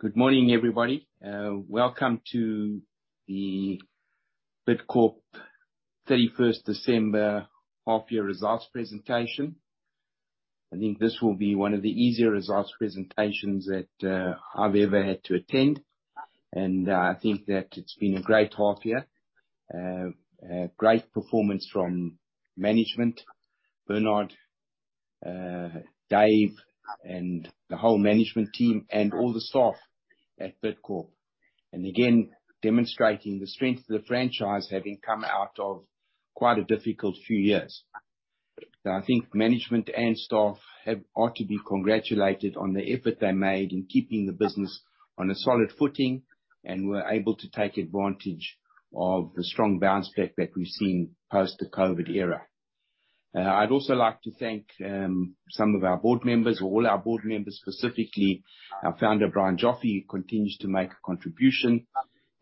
Good morning, everybody. Welcome to the Bidcorp 31st December half year results presentation. I think this will be one of the easier results presentations that I've ever had to attend. I think that it's been a great half year. A great performance from management, Bernard, Dave, and the whole management team, and all the staff at Bidcorp. Again, demonstrating the strength of the franchise, having come out of quite a difficult few years. I think management and staff ought to be congratulated on the effort they made in keeping the business on a solid footing, and we're able to take advantage of the strong bounce back that we've seen post the COVID era. I'd also like to thank some of our board members, or all our board members, specifically our founder, Brian Joffe, who continues to make a contribution.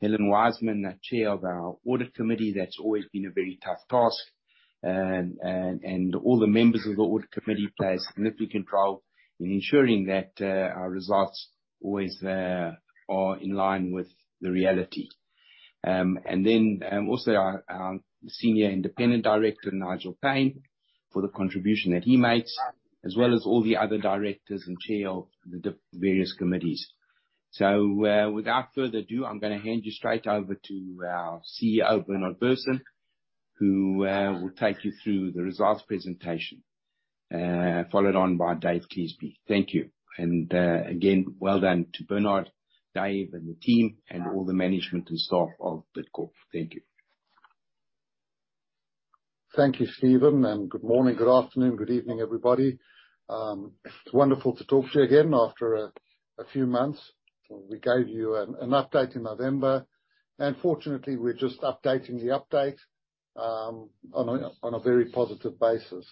Helen Wiseman, our Chair of our Audit Committee, that's always been a very tough task. All the members of the Audit Committee play a significant role in ensuring that our results always are in line with the reality. Also our senior independent Director, Nigel Payne, for the contribution that he makes, as well as all the other directors and Chair of the various committees. Without further ado, I'm gonna hand you straight over to our CEO Bernard Berson, who will take you through the results presentation, followed on by David Cleasby. Thank you. Again, well done to Bernard, Dave, and the team, and all the management and staff of Bidcorp. Thank you. Thank you, Stephen. Good morning, good afternoon, good evening, everybody. It's wonderful to talk to you again after a few months. We gave you an update in November. Fortunately we're just updating the update on a very positive basis.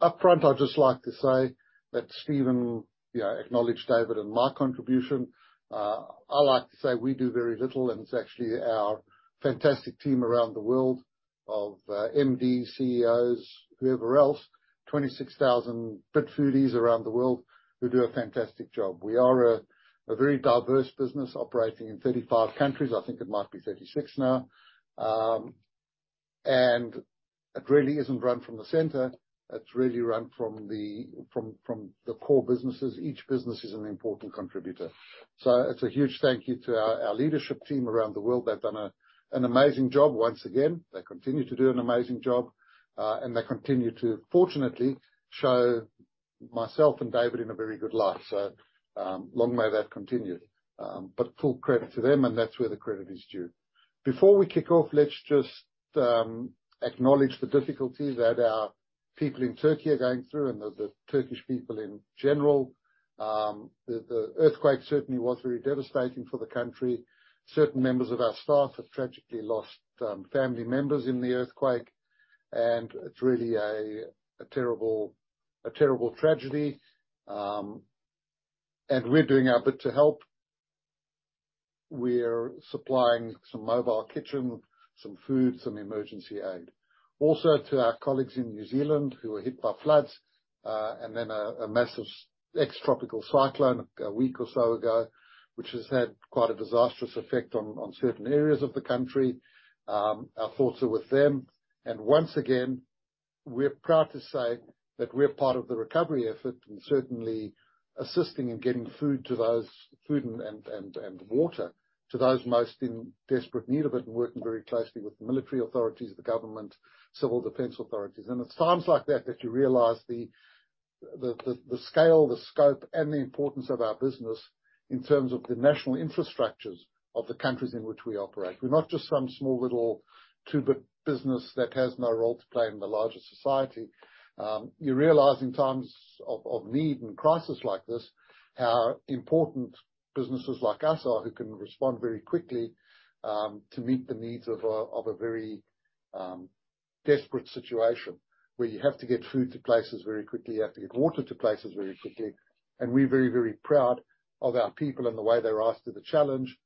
Up front, I'd just like to say that Stephen, you know, acknowledged David and my contribution. I like to say we do very little, and it's actually our fantastic team around the world of MD, CEOs, whoever else, 26,000 Bidfoodies around the world who do a fantastic job. We are a very diverse business operating in 35 countries. I think it might be 36 now. It really isn't run from the center. It's really run from the core businesses. Each business is an important contributor. It's a huge thank you to our leadership team around the world. They've done an amazing job once again. They continue to do an amazing job, and they continue to fortunately show myself and David in a very good light. Long may that continue. Full credit to them, and that's where the credit is due. Before we kick off, let's just acknowledge the difficulty that our people in Turkey are going through, and the Turkish people in general. The earthquake certainly was very devastating for the country. Certain members of our staff have tragically lost family members in the earthquake, and it's really a terrible tragedy. We're doing our bit to help. We're supplying some mobile kitchen, some food, some emergency aid. Also to our colleagues in New Zealand who were hit by floods, and then a massive ex-tropical cyclone a week or so ago, which has had quite a disastrous effect on certain areas of the country. Our thoughts are with them. Once again, we're proud to say that we're part of the recovery effort and certainly assisting in getting food to those food and water to those most in desperate need of it, and working very closely with the military authorities, the government, civil defense authorities. It's times like that that you realize the scale, the scope, and the importance of our business in terms of the national infrastructures of the countries in which we operate. We're not just some small little two-bit business that has no role to play in the larger society. You realize in times of need and crisis like this, how important businesses like us are who can respond very quickly to meet the needs of a very desperate situation, where you have to get food to places very quickly. You have to get water to places very quickly. We're very, very proud of our people and the way they rise to the challenge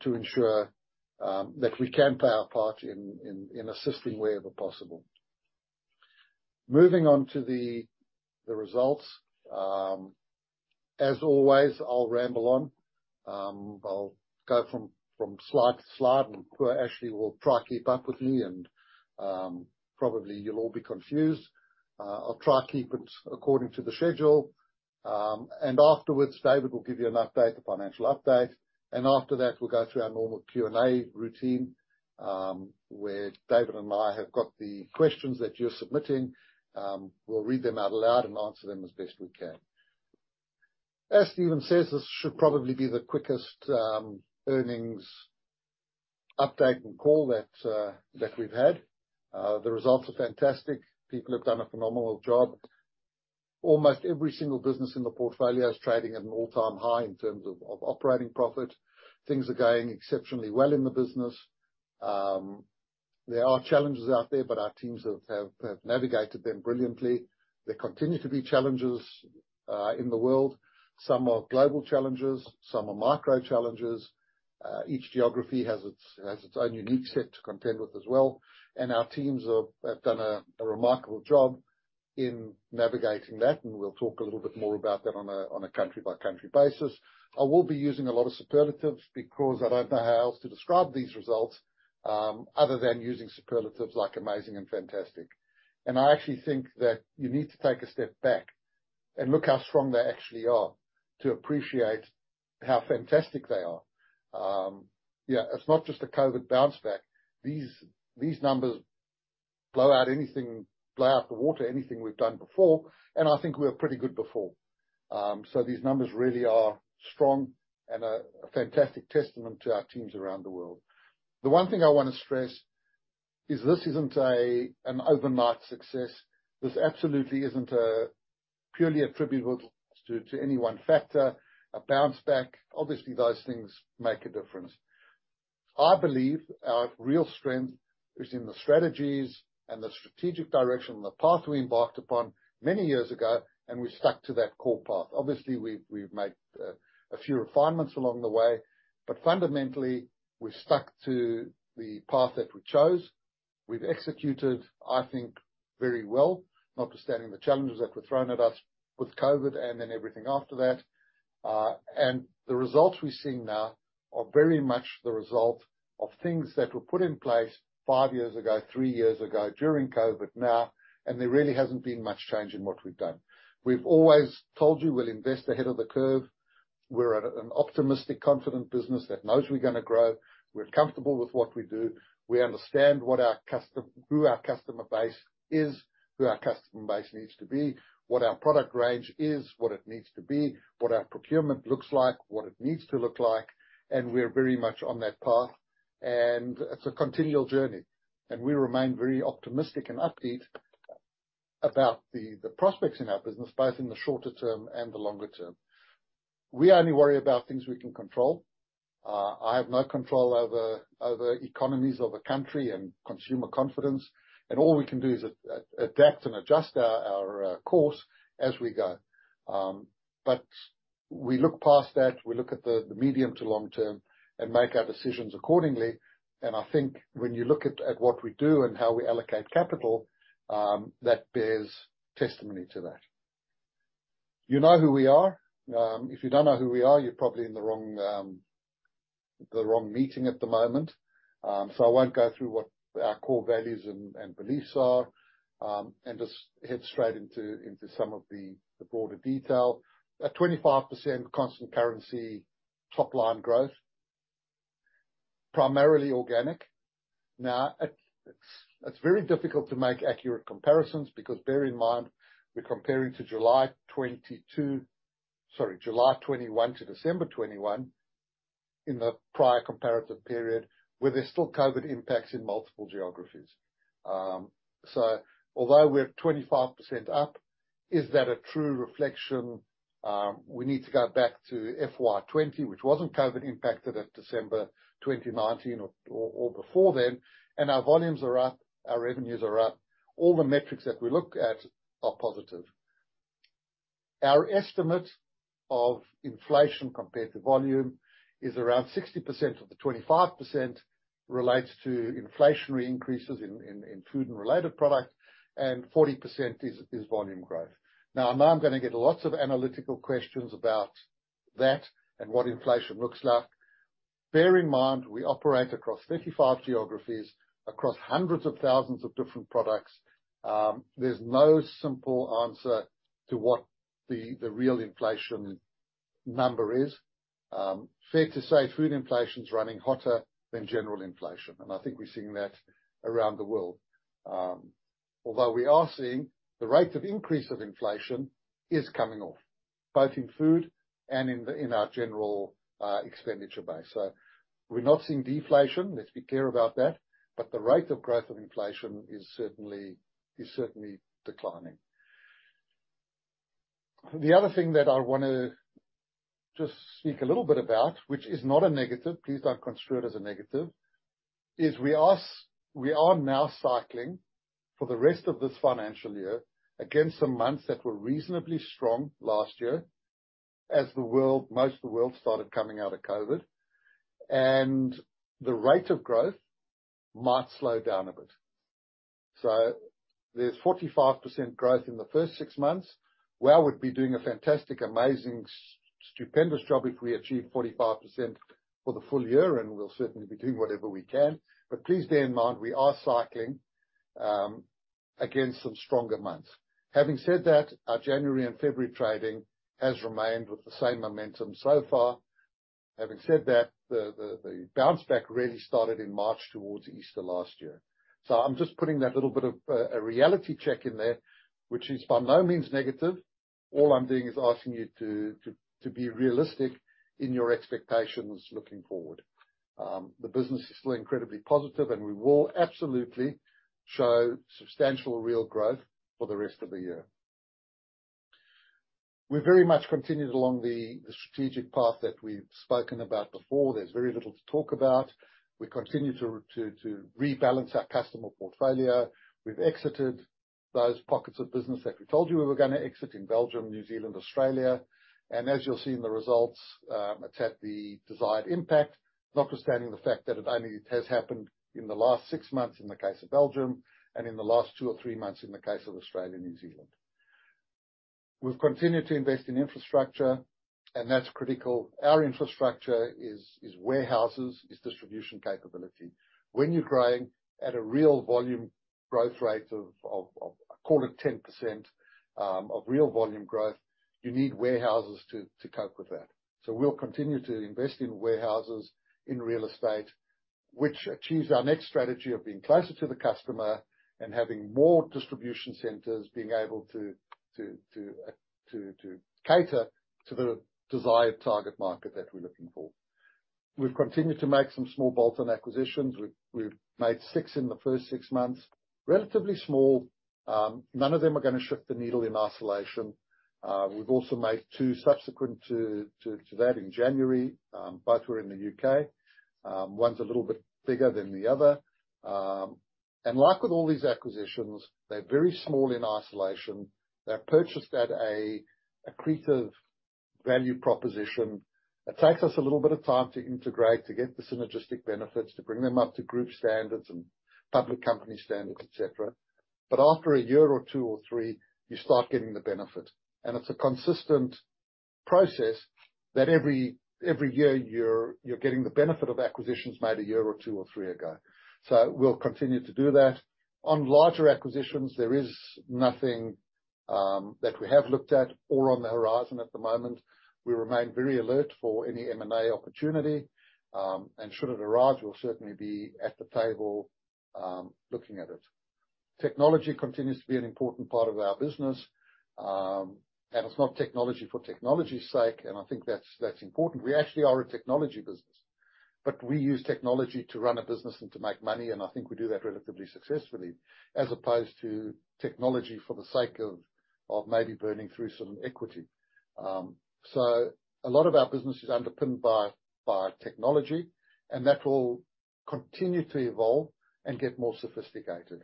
to ensure that we can play our part in assisting wherever possible. Moving on to the results. As always, I'll ramble on. I'll go from slide to slide, and Poorva actually will try keep up with me and probably you'll all be confused. I'll try keep it according to the schedule. Afterwards, David will give you an update, a financial update. After that, we'll go through our normal Q&A routine, where David and I have got the questions that you're submitting. We'll read them out loud and answer them as best we can. Stephen says, this should probably be the quickest earnings update and call that we've had. The results are fantastic. People have done a phenomenal job. Almost every single business in the portfolio is trading at an all-time high in terms of operating profit. Things are going exceptionally well in the business. There are challenges out there, but our teams have navigated them brilliantly. There continue to be challenges in the world. Some are global challenges, some are micro challenges. Each geography has its own unique set to contend with as well, and our teams have done a remarkable job in navigating that, and we'll talk a little bit more about that on a country-by-country basis. I will be using a lot of superlatives because I don't know how else to describe these results, other than using superlatives like amazing and fantastic. I actually think that you need to take a step back and look how strong they actually are to appreciate how fantastic they are. Yeah, it's not just a COVID bounce back. These numbers blow out anything, blow out the water, anything we've done before, and I think we were pretty good before. These numbers really are strong and a fantastic testament to our teams around the world. The one thing I wanna stress is this isn't an overnight success. This absolutely isn't purely attributable to any one factor, a bounce back. Obviously, those things make a difference. I believe our real strength is in the strategies and the strategic direction and the path we embarked upon many years ago. We stuck to that core path. Obviously, we've made a few refinements along the way. Fundamentally, we've stuck to the path that we chose. We've executed, I think, very well, notwithstanding the challenges that were thrown at us with COVID and then everything after that. The results we're seeing now are very much the result of things that were put in place five years ago, three years ago, during COVID, now, and there really hasn't been much change in what we've done. We've always told you we'll invest ahead of the curve. We're at an optimistic, confident business that knows we're gonna grow. We're comfortable with what we do. We understand who our customer base is, who our customer base needs to be, what our product range is, what it needs to be, what our procurement looks like, what it needs to look like, and we're very much on that path. It's a continual journey, and we remain very optimistic and upbeat about the prospects in our business, both in the shorter term and the longer term. We only worry about things we can control. I have no control over economies of a country and consumer confidence, and all we can do is adapt and adjust our course as we go. We look past that. We look at the medium to long term and make our decisions accordingly. I think when you look at what we do and how we allocate capital, that bears testimony to that. You know who we are. If you don't know who we are, you're probably in the wrong, the wrong meeting at the moment. I won't go through what our core values and beliefs are and just head straight into some of the broader detail. At 25% constant currency topline growth, primarily organic. It's very difficult to make accurate comparisons because bear in mind, we're comparing to July 2021 to December 2021 in the prior comparative period, where there's still COVID impacts in multiple geographies. Although we're at 25% up, is that a true reflection? We need to go back to FY20, which wasn't COVID impacted, at December 2019 or before then, our volumes are up, our revenues are up. All the metrics that we look at are positive. Our estimate of inflation compared to volume is around 60% of the 25% relates to inflationary increases in food and related products, and 40% is volume growth. I know I'm gonna get lots of analytical questions about that and what inflation looks like. Bear in mind, we operate across 35 geographies, across hundreds of thousands of different products. There's no simple answer to what the real inflation number is. Fair to say food inflation's running hotter than general inflation, and I think we're seeing that around the world. Although we are seeing the rate of increase of inflation is coming off, both in food and in our general expenditure base. We're not seeing deflation. Let's be clear about that. The rate of growth of inflation is certainly declining. The other thing that I wanna just speak a little bit about, which is not a negative, please don't construe it as a negative, is we are now cycling for the rest of this financial year against some months that were reasonably strong last year as the world, most of the world started coming out of COVID. The rate of growth might slow down a bit. There's 45% growth in the first six months. Wow, we'd be doing a fantastic, amazing, stupendous job if we achieve 45% for the full year, and we'll certainly be doing whatever we can. Please bear in mind, we are cycling against some stronger months. Having said that, our January and February trading has remained with the same momentum so far. Having said that, the bounce back really started in March towards Easter last year. I'm just putting that little bit of a reality check in there, which is by no means negative. All I'm doing is asking you to be realistic in your expectations looking forward. The business is still incredibly positive. We will absolutely show substantial real growth for the rest of the year. We very much continued along the strategic path that we've spoken about before. There's very little to talk about. We continue to rebalance our customer portfolio. We've exited those pockets of business that we told you we were gonna exit in Belgium, New Zealand, Australia. As you'll see in the results, it's had the desired impact, notwithstanding the fact that it only has happened in the last six months in the case of Belgium and in the last two or three months in the case of Australia and New Zealand. We've continued to invest in infrastructure, and that's critical. Our infrastructure is warehouses, is distribution capability. When you're growing at a real volume growth rate of call it 10% of real volume growth, you need warehouses to cope with that. We'll continue to invest in warehouses, in real estate, which achieves our next strategy of being closer to the customer and having more distribution centers being able to cater to the desired target market that we're looking for. We've continued to make some small bolt-on acquisitions. We've made six in the first six months. Relatively small. None of them are gonna shift the needle in isolation. We've also made two subsequent to that in January. Both were in the U.K. One's a little bit bigger than the other. Like with all these acquisitions, they're very small in isolation. They're purchased at a accretive value proposition. It takes us a little bit of time to integrate, to get the synergistic benefits, to bring them up to group standards and public company standards, et cetera. After a year or two or three, you start getting the benefit. It's a consistent process that every year you're getting the benefit of acquisitions made a year or two or three ago. We'll continue to do that. On larger acquisitions, there is nothing that we have looked at or on the horizon at the moment. We remain very alert for any M&A opportunity. Should it arise, we'll certainly be at the table looking at it. Technology continues to be an important part of our business. It's not technology for technology's sake, and I think that's important. We actually are a technology business. We use technology to run a business and to make money, and I think we do that relatively successfully, as opposed to technology for the sake of maybe burning through some equity. A lot of our business is underpinned by technology, and that will continue to evolve and get more sophisticated.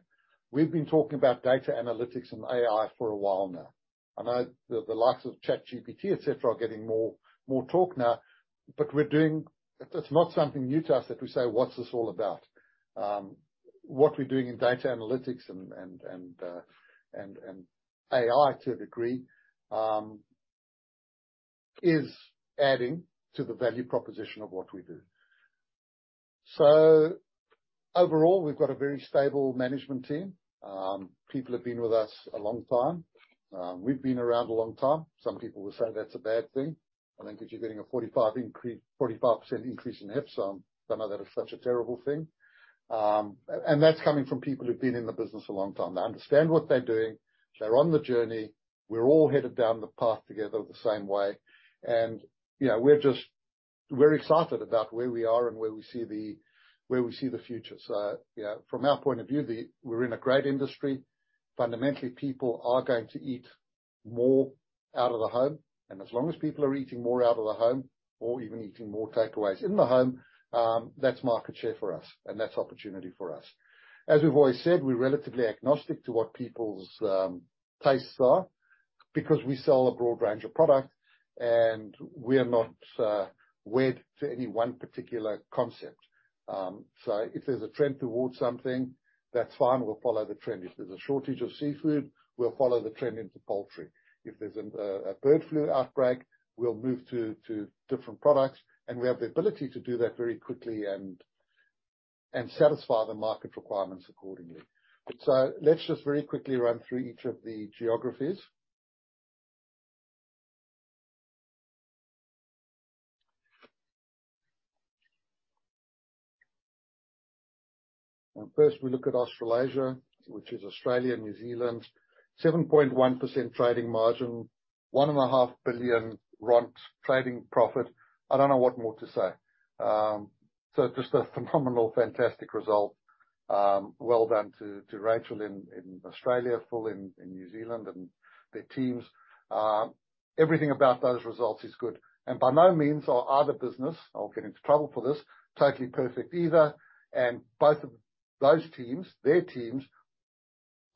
We've been talking about data analytics and AI for a while now. I know the likes of ChatGPT, et cetera, are getting more talk now, but it's not something new to us that we say, "What's this all about?" What we're doing in data analytics and AI to a degree, is adding to the value proposition of what we do. Overall, we've got a very stable management team. People have been with us a long time. We've been around a long time. Some people will say that's a bad thing. I think if you're getting a 45% increase in EPS, don't know that it's such a terrible thing. And that's coming from people who've been in the business a long time. They understand what they're doing. They're on the journey. We're all headed down the path together the same way. You know, we're just, we're excited about where we are and where we see the future. You know, from our point of view, we're in a great industry. Fundamentally, people are going to eat more out of the home. As long as people are eating more out of the home or even eating more takeaways in the home, that's market share for us and that's opportunity for us. As we've always said, we're relatively agnostic to what people's tastes are because we sell a broad range of products and we're not wed to any one particular concept. If there's a trend towards something, that's fine, we'll follow the trend. If there's a shortage of seafood, we'll follow the trend into poultry. If there's a bird flu outbreak, we'll move to different products, and we have the ability to do that very quickly and satisfy the market requirements accordingly. Let's just very quickly run through each of the geographies. First we look at Australasia, which is Australia and New Zealand. 7.1% trading margin. 1.5 billion trading profit. I don't know what more to say. just a phenomenal, fantastic result. well done to Rachel in Australia, Phil in New Zealand and their teams. Everything about those results is good. By no means are either business, I'll get into trouble for this, totally perfect either. Both of those teams, their teams,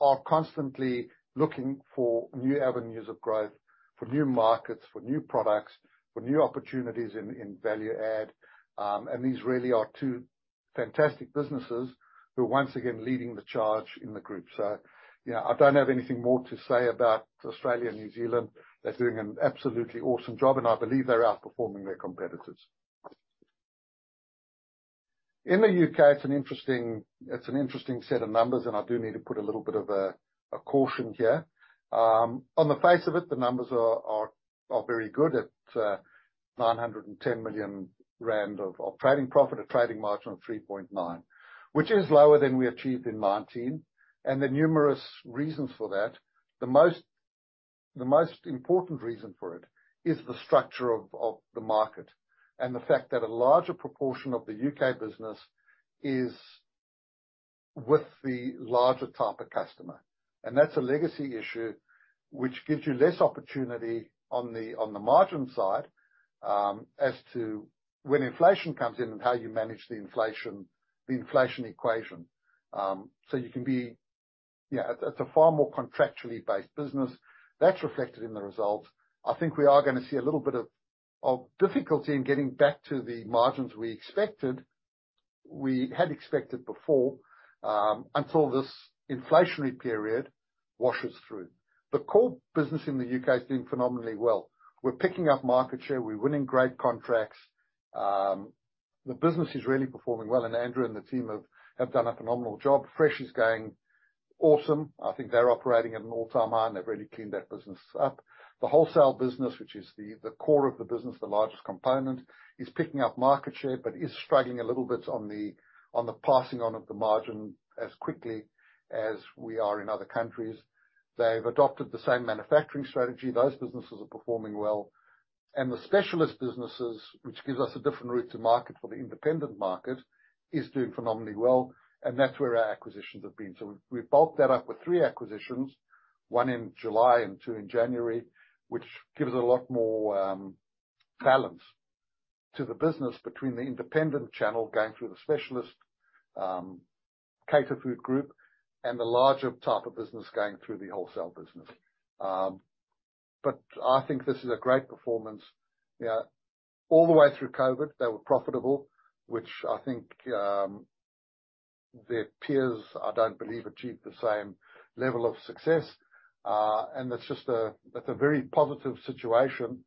are constantly looking for new avenues of growth, for new markets, for new products, for new opportunities in value add. These really are two fantastic businesses who are once again leading the charge in the group. You know, I don't have anything more to say about Australia and New Zealand. They're doing an absolutely awesome job, and I believe they're outperforming their competitors. In the U.K., it's an interesting set of numbers, and I do need to put a little bit of a caution here. On the face of it, the numbers are very good at 910 million rand of trading profit, a trading margin of 3.9%, which is lower than we achieved in 2019. There are numerous reasons for that. The most important reason for it is the structure of the market and the fact that a larger proportion of the U.K. business is with the larger type of customer. That's a legacy issue. Which gives you less opportunity on the margin side, as to when inflation comes in and how you manage the inflation equation. Yeah, it's a far more contractually based business. That's reflected in the results. I think we are gonna see a little bit of difficulty in getting back to the margins we expected, we had expected before, until this inflationary period washes through. The core business in the U.K. is doing phenomenally well. We're picking up market share. We're winning great contracts. The business is really performing well, Andrew and the team have done a phenomenal job. Fresh is going awesome. I think they're operating at an all-time high, and they've really cleaned that business up. The wholesale business, which is the core of the business, the largest component, is picking up market share, but is struggling a little bit on the passing on of the margin as quickly as we are in other countries. They've adopted the same manufacturing strategy. Those businesses are performing well. The specialist businesses, which gives us a different route to market for the independent market, is doing phenomenally well, and that's where our acquisitions have been. We bulked that up with three acquisitions, one in July and two in January, which gives a lot more balance to the business between the independent channel going through the specialist Caterfood Group and the larger type of business going through the wholesale business. I think this is a great performance. Yeah. All the way through COVID, they were profitable, which I think, their peers, I don't believe, achieved the same level of success. That's a very positive situation,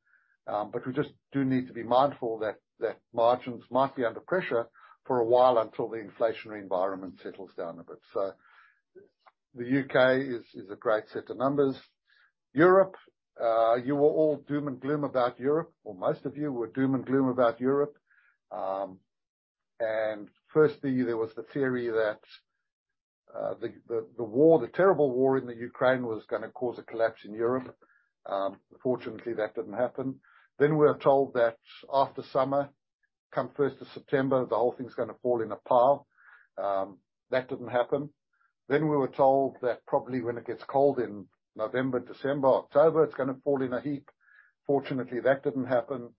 we just do need to be mindful that margins might be under pressure for a while, until the inflationary environment settles down a bit. The U.K. is a great set of numbers. Europe, you were all doom and gloom about Europe, or most of you were doom and gloom about Europe. Firstly, there was the theory that the war, the terrible war in the Ukraine was gonna cause a collapse in Europe. Fortunately, that didn't happen. We're told that after summer, come first of September, the whole thing's gonna fall in a pile. That didn't happen. We were told that probably when it gets cold in November, December, October, it's gonna fall in a heap. Fortunately, that didn't happen.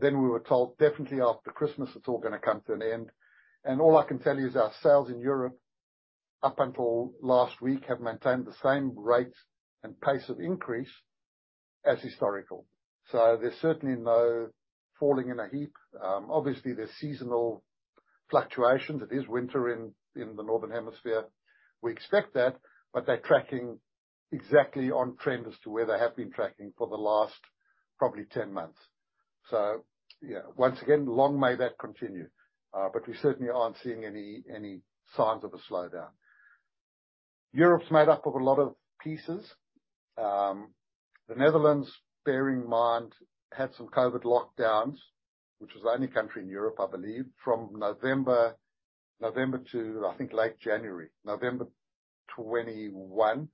We were told definitely after Christmas, it's all gonna come to an end. All I can tell you is our sales in Europe, up until last week, have maintained the same rates and pace of increase as historical. There's certainly no falling in a heap. Obviously, there's seasonal fluctuations. It is winter in the Northern Hemisphere. We expect that, but they're tracking exactly on trend as to where they have been tracking for the last probably 10 months. Yeah, once again, long may that continue, but we certainly aren't seeing any signs of a slowdown. Europe's made up of a lot of pieces. The Netherlands, bearing in mind, had some COVID lockdowns, which was the only country in Europe, I believe, from November to, I think, late January. November 2021.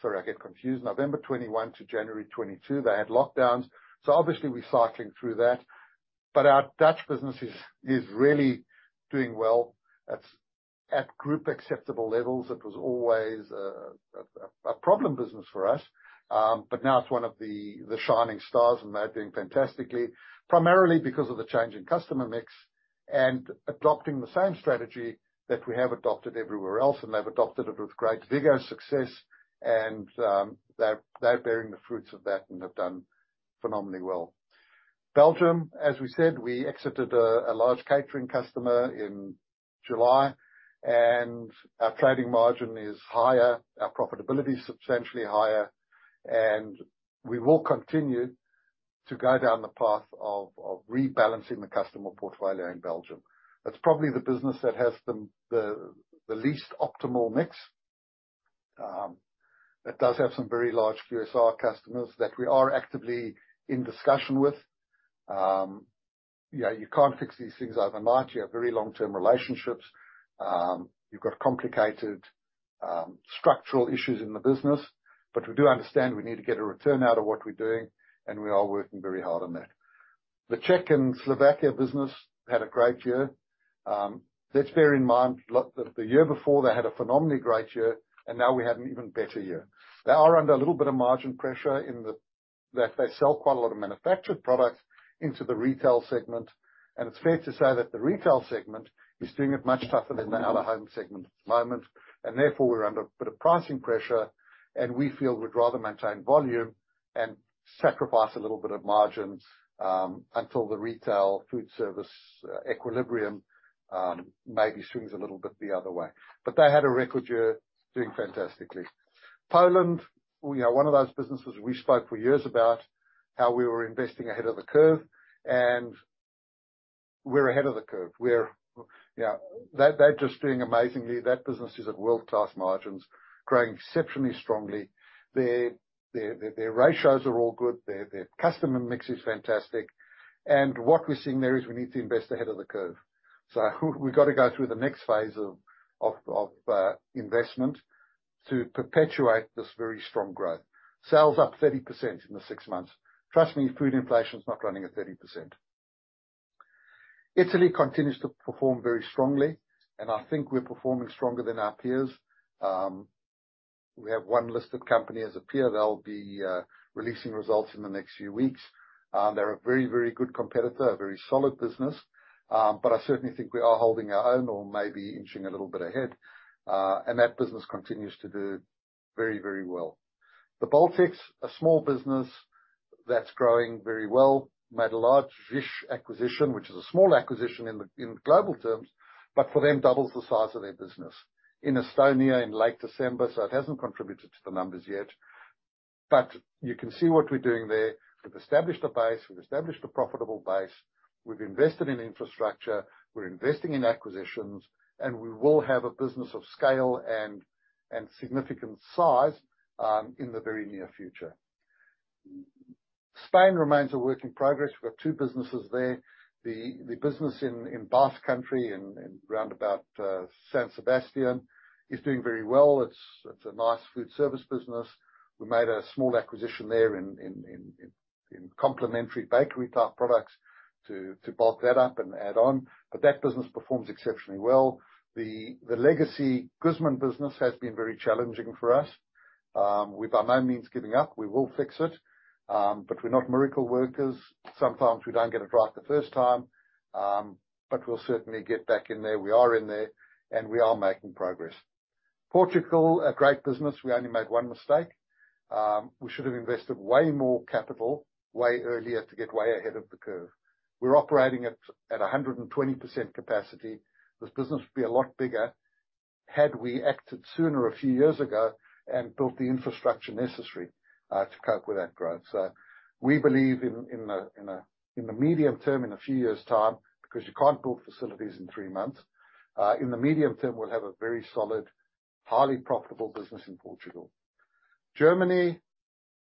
Sorry, I get confused. November 2021 to January 2022, they had lockdowns. Obviously, we're cycling through that, but our Dutch business is really doing well. It's at group acceptable levels. It was always a problem business for us, but now it's one of the shining stars, and they're doing fantastically, primarily because of the change in customer mix and adopting the same strategy that we have adopted everywhere else, and they've adopted it with great vigor, success, and they're bearing the fruits of that and have done phenomenally well. Belgium, as we said, we exited a large catering customer in July. Our trading margin is higher, our profitability is substantially higher. We will continue to go down the path of rebalancing the customer portfolio in Belgium. That's probably the business that has the least optimal mix. It does have some very large QSR customers that we are actively in discussion with. Yeah, you can't fix these things overnight. You have very long-term relationships. You've got complicated structural issues in the business. We do understand we need to get a return out of what we're doing, and we are working very hard on that. The Czech and Slovakia business had a great year. Let's bear in mind, the year before, they had a phenomenally great year. Now we had an even better year. They are under a little bit of margin pressure in the. They sell quite a lot of manufactured products into the retail segment. It's fair to say that the retail segment is doing it much tougher than the out-of-home segment at the moment. Therefore, we're under a bit of pricing pressure. We feel we'd rather maintain volume and sacrifice a little bit of margins until the retail food service equilibrium maybe swings a little bit the other way. They had a record year doing fantastically. Poland, you know, one of those businesses we spoke for years about how we were investing ahead of the curve. We're ahead of the curve. They're just doing amazingly. That business is at world-class margins, growing exceptionally strongly. Their ratios are all good. Their customer mix is fantastic. What we're seeing there is we need to invest ahead of the curve. We've got to go through the next phase of investment to perpetuate this very strong growth. Sales up 30% in the six months. Trust me, food inflation's not running at 30%. Italy continues to perform very strongly, and I think we're performing stronger than our peers. We have one listed company as a peer. They'll be releasing results in the next few weeks. They're a very good competitor, a very solid business. I certainly think we are holding our own or maybe inching a little bit ahead. That business continues to do very well. The Baltics, a small business that's growing very well. Made a large-ish acquisition, which is a small acquisition in global terms, but for them doubles the size of their business. In Estonia in late December. It hasn't contributed to the numbers yet. You can see what we're doing there. We've established a base. We've established a profitable base. We've invested in infrastructure. We're investing in acquisitions, and we will have a business of scale and significant size in the very near future. Spain remains a work in progress. We've got two businesses there. The business in Basque Country in round about San Sebastian is doing very well. It's a nice food service business. We made a small acquisition there in complementary bakery-type products to bulk that up and add on. That business performs exceptionally well. The legacy Guzmán business has been very challenging for us. We're by no means giving up. We will fix it. But we're not miracle workers. Sometimes we don't get it right the first time. But we'll certainly get back in there. We are in there, and we are making progress. Portugal, a great business. We only made one mistake. We should have invested way more capital way earlier to get way ahead of the curve. We're operating at 120% capacity. This business would be a lot bigger had we acted sooner a few years ago and built the infrastructure necessary to cope with that growth. We believe in the medium term, in a few years' time, because you can't build facilities in three months. In the medium term, we'll have a very solid, highly profitable business in Portugal. Germany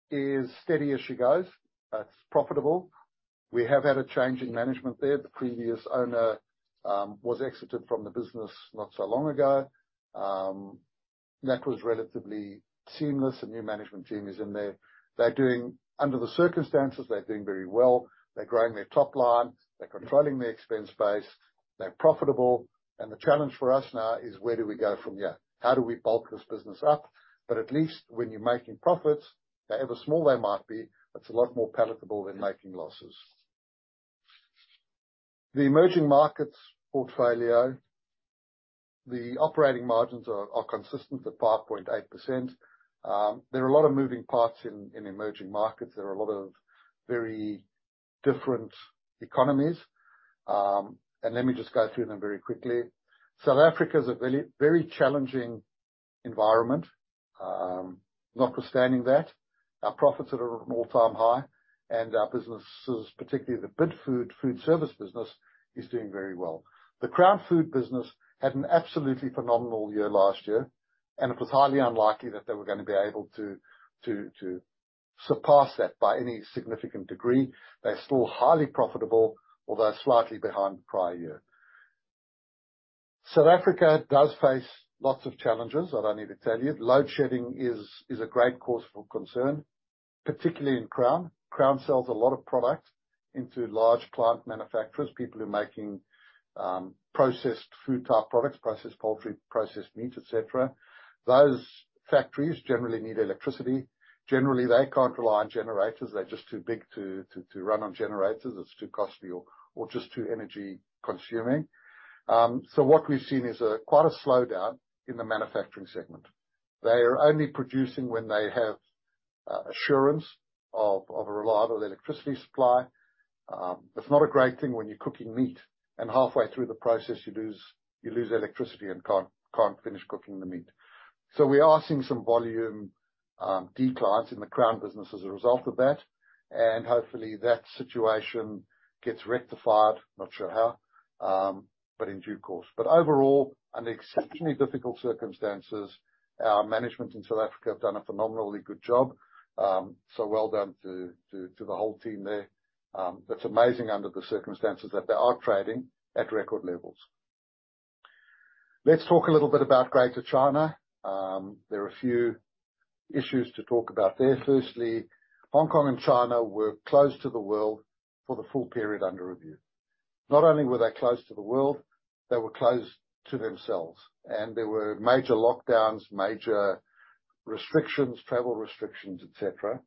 is steady as she goes. It's profitable. We have had a change in management there. The previous owner was exited from the business not so long ago. That was relatively seamless. A new management team is in there. Under the circumstances, they're doing very well. They're growing their top line. They're controlling their expense base. They're profitable. The challenge for us now is where do we go from here? How do we bulk this business up? At least when you're making profits, however small they might be, it's a lot more palatable than making losses. The emerging markets portfolio, the operating margins are consistent at 5.8%. There are a lot of moving parts in emerging markets. There are a lot of very different economies. Let me just go through them very quickly. South Africa is a very, very challenging environment. Notwithstanding that, our profits are at an all-time high, and our businesses, particularly the Bidfood food service business, is doing very well. The Crown Food business had an absolutely phenomenal year last year, and it was highly unlikely that they were gonna be able to surpass that by any significant degree. They're still highly profitable, although slightly behind the prior year. South Africa does face lots of challenges. I don't need to tell you. load shedding is a great cause for concern, particularly in Crown. Crown sells a lot of products into large plant manufacturers, people who are making, processed food-type products, processed poultry, processed meats, et cetera. Those factories generally need electricity. Generally, they can't rely on generators. They're just too big to run on generators. It's too costly or just too energy consuming. What we've seen is quite a slowdown in the manufacturing segment. They are only producing when they have assurance of a reliable electricity supply. That's not a great thing when you're cooking meat, and halfway through the process you lose electricity and can't finish cooking the meat. We are seeing some volume declines in the Crown business as a result of that. Hopefully that situation gets rectified. Not sure how, but in due course. Overall, under exceptionally difficult circumstances, our management in South Africa have done a phenomenally good job. Well done to the whole team there. That's amazing under the circumstances that they are trading at record levels. Let's talk a little bit about Greater China. There are a few issues to talk about there. Hong Kong and China were closed to the world for the full period under review. Not only were they closed to the world, they were closed to themselves. There were major lockdowns, major restrictions, travel restrictions, et cetera.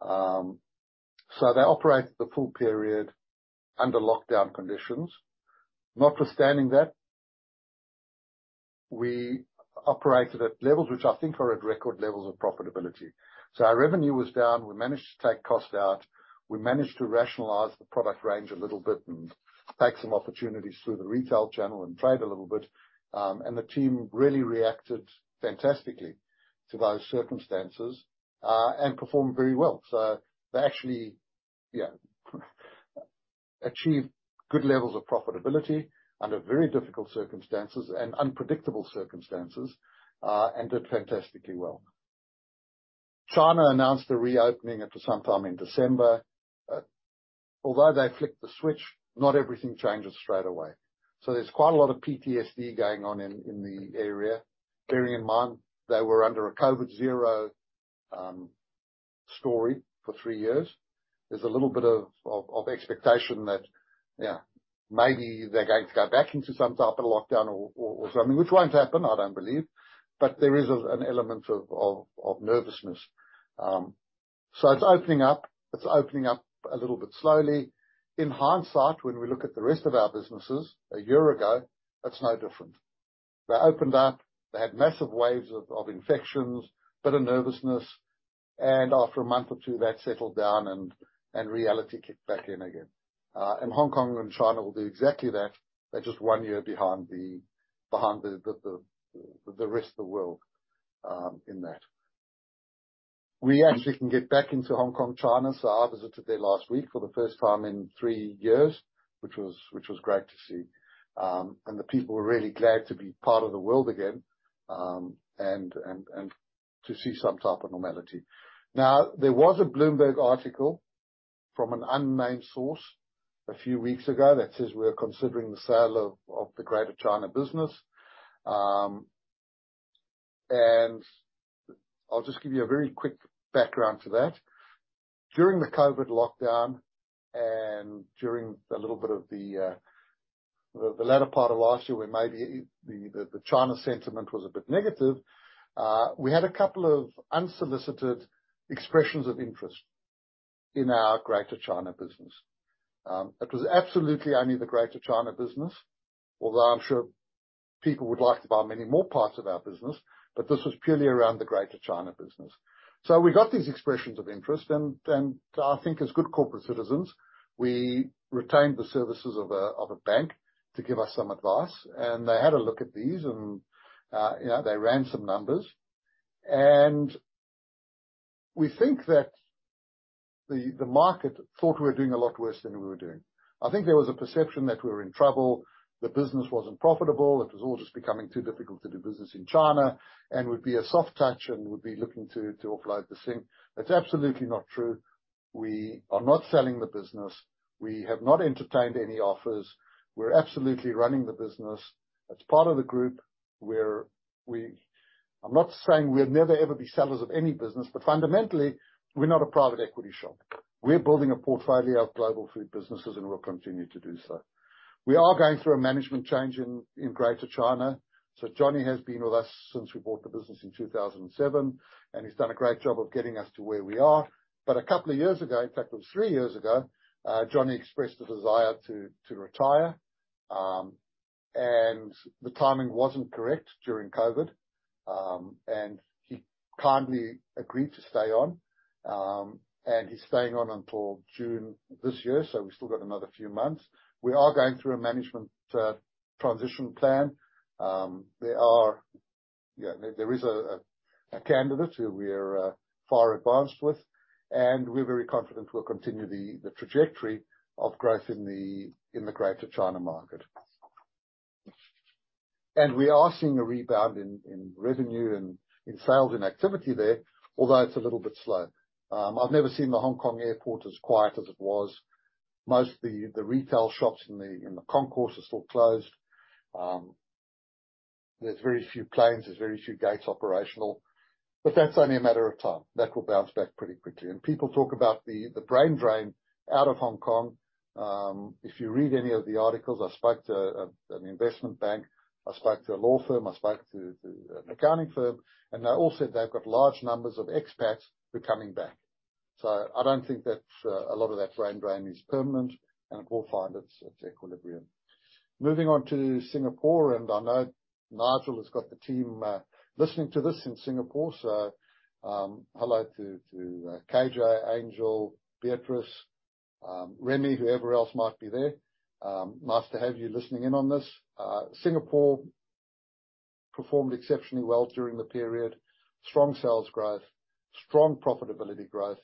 They operated the full period under lockdown conditions. Notwithstanding that, we operated at levels which I think are at record levels of profitability. Our revenue was down. We managed to take cost out. We managed to rationalize the product range a little bit and take some opportunities through the retail channel and trade a little bit. The team really reacted fantastically to those circumstances and performed very well. They actually, yeah, achieved good levels of profitability under very difficult circumstances and unpredictable circumstances and did fantastically well. China announced a reopening at sometime in December. Although they flicked the switch, not everything changes straight away. There's quite a lot of PTSD going on in the area, bearing in mind they were under a COVID zero story for three years. There's a little bit of expectation that, yeah, maybe they're going to go back into some type of lockdown or something, which won't happen, I don't believe. There is an element of nervousness. It's opening up. It's opening up a little bit slowly. In hindsight, when we look at the rest of our businesses a year ago, that's no different. They opened up, they had massive waves of infections, bit of nervousness, and after a month or two, that settled down and reality kicked back in again. Hong Kong and China will do exactly that. They're just one year behind the rest of the world in that. We actually can get back into Hong Kong, China. I visited there last week for the first time in three years, which was great to see. The people were really glad to be part of the world again and to see some type of normality. There was a Bloomberg article from an unnamed source a few weeks ago that says we're considering the sale of the Greater China business. I'll just give you a very quick background to that. During the COVID lockdown and during a little bit of the latter part of last year, the China sentiment was a bit negative. We had a couple of unsolicited expressions of interest in our Greater China business. It was absolutely only the Greater China business, although I'm sure people would like to buy many more parts of our business. This was purely around the Greater China business. We got these expressions of interest, and I think as good corporate citizens, we retained the services of a bank to give us some advice. They had a look at these and, you know, they ran some numbers. We think that the market thought we were doing a lot worse than we were doing. I think there was a perception that we were in trouble, the business wasn't profitable, it was all just becoming too difficult to do business in China, and we'd be a soft touch, and we'd be looking to offload the thing. That's absolutely not true. We are not selling the business. We have not entertained any offers. We're absolutely running the business. It's part of the group. We're I'm not saying we'll never ever be sellers of any business. Fundamentally, we're not a private equity shop. We're building a portfolio of global food businesses, and we'll continue to do so. We are going through a management change in Greater China. Johnny has been with us since we bought the business in 2007, and he's done a great job of getting us to where we are. A couple of years ago, in fact, it was three years ago, Johnny expressed a desire to retire. The timing wasn't correct during COVID. He kindly agreed to stay on. He's staying on until June this year, we still got another few months. We are going through a management transition plan. There is a candidate who we are far advanced with, we're very confident we'll continue the trajectory of growth in the Greater China market. We are seeing a rebound in revenue and in sales and activity there, although it's a little bit slow. I've never seen the Hong Kong airport as quiet as it was. Most of the retail shops in the concourse are still closed. There's very few planes, there's very few gates operational, that's only a matter of time. That will bounce back pretty quickly. People talk about the brain drain out of Hong Kong. If you read any of the articles, I spoke to an investment bank, I spoke to a law firm, I spoke to an accounting firm, they all said they've got large numbers of expats who are coming back. I don't think that a lot of that brain drain is permanent, it will find its equilibrium. Moving on to Singapore, I know Nigel has got the team listening to this in Singapore. Hello to KJ, Angel, Beatrice, Remy, whoever else might be there. Nice to have you listening in on this. Singapore performed exceptionally well during the period. Strong sales growth, strong profitability growth.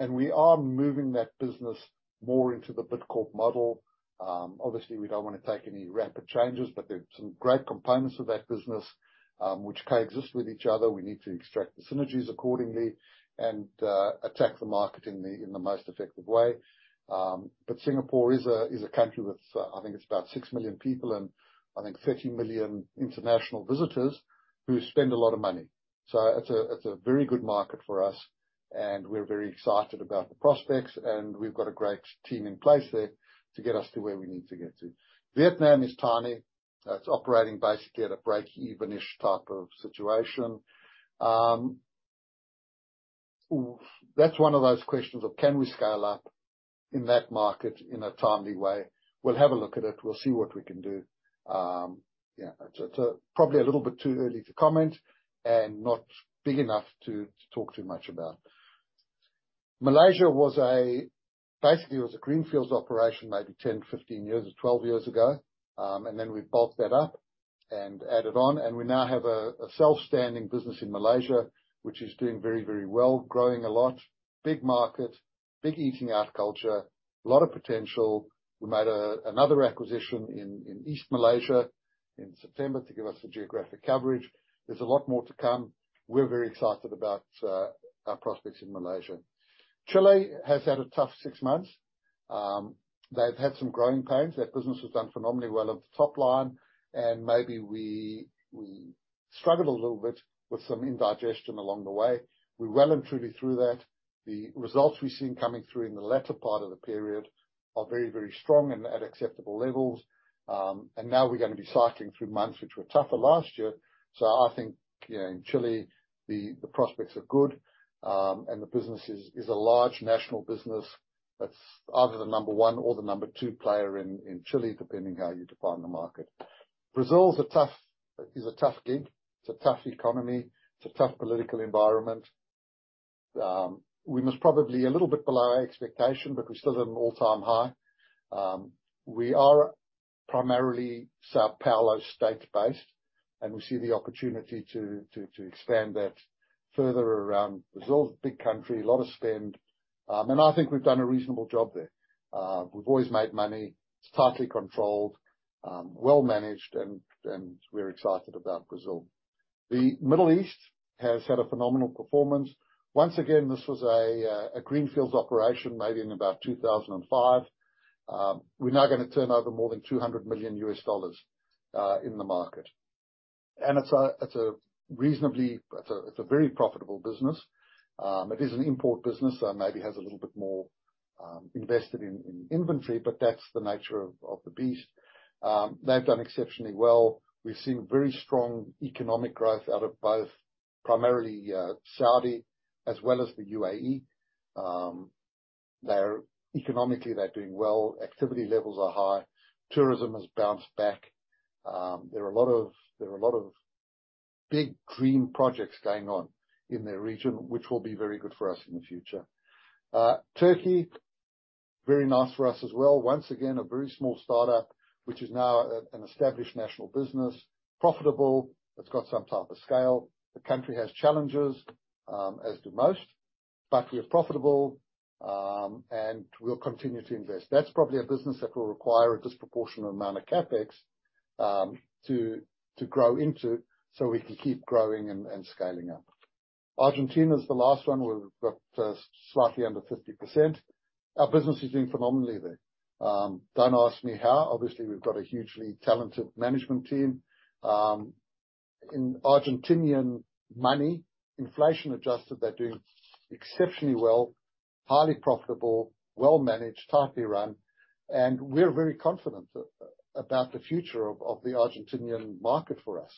We are moving that business more into the Bidcorp model. Obviously, we don't wanna take any rapid changes, but there's some great components of that business, which coexist with each other. We need to extract the synergies accordingly and attack the market in the most effective way. Singapore is a country with, I think it's about 6 million people and I think 30 million international visitors who spend a lot of money. It's a very good market for us, and we're very excited about the prospects, and we've got a great team in place there to get us to where we need to get to. Vietnam is tiny. It's operating basically at a breakeven-ish type of situation. Oof, that's one of those questions of can we scale up in that market in a timely way. We'll have a look at it. We'll see what we can do. Yeah. It's probably a little bit too early to comment and not big enough to talk too much about. Malaysia was Basically, it was a greenfields operation maybe 10, 15 years or 12 years ago. Then we built that up and added on, and we now have a self-standing business in Malaysia, which is doing very, very well, growing a lot. Big market, big eating out culture, a lot of potential. We made another acquisition in East Malaysia in September to give us the geographic coverage. There's a lot more to come. We're very excited about our prospects in Malaysia. Chile has had a tough 6 months. They've had some growing pains. That business has done phenomenally well at the top line, maybe we struggled a little bit with some indigestion along the way. We're well and truly through that. The results we've seen coming through in the latter part of the period are very, very strong and at acceptable levels. Now we're gonna be cycling through months which were tougher last year. I think, you know, in Chile, the prospects are good. The business is a large national business that's either the number one or the number two player in Chile, depending how you define the market. Brazil is a tough gig. It's a tough economy. It's a tough political environment. We were probably a little bit below our expectation, but we still had an all-time high. We are primarily São Paulo state-based, we see the opportunity to expand that further around. Brazil is a big country, a lot of spend, I think we've done a reasonable job there. We've always made money. It's tightly controlled, well managed, and we're excited about Brazil. The Middle East has had a phenomenal performance. Once again, this was a greenfields operation made in about 2005. We're now gonna turn over more than $200 million in the market. It's a very profitable business. It is an import business, maybe has a little bit more invested in inventory, that's the nature of the beast. They've done exceptionally well. We've seen very strong economic growth out of both primarily, Saudi as well as the UAE. Economically, they're doing well. Activity levels are high. Tourism has bounced back. There are a lot of big dream projects going on in their region, which will be very good for us in the future. Turkey, very nice for us as well. Once again, a very small startup, which is now an established national business. Profitable. It's got some type of scale. The country has challenges, as do most. We are profitable, and we'll continue to invest. That's probably a business that will require a disproportionate amount of CapEx to grow into so we can keep growing and scaling up. Argentina is the last one. We've got slightly under 50%. Our business is doing phenomenally there. Don't ask me how. Obviously, we've got a hugely talented management team. In Argentinian money, inflation-adjusted, they're doing exceptionally well, highly profitable, well managed, tightly run, and we're very confident about the future of the Argentinian market for us.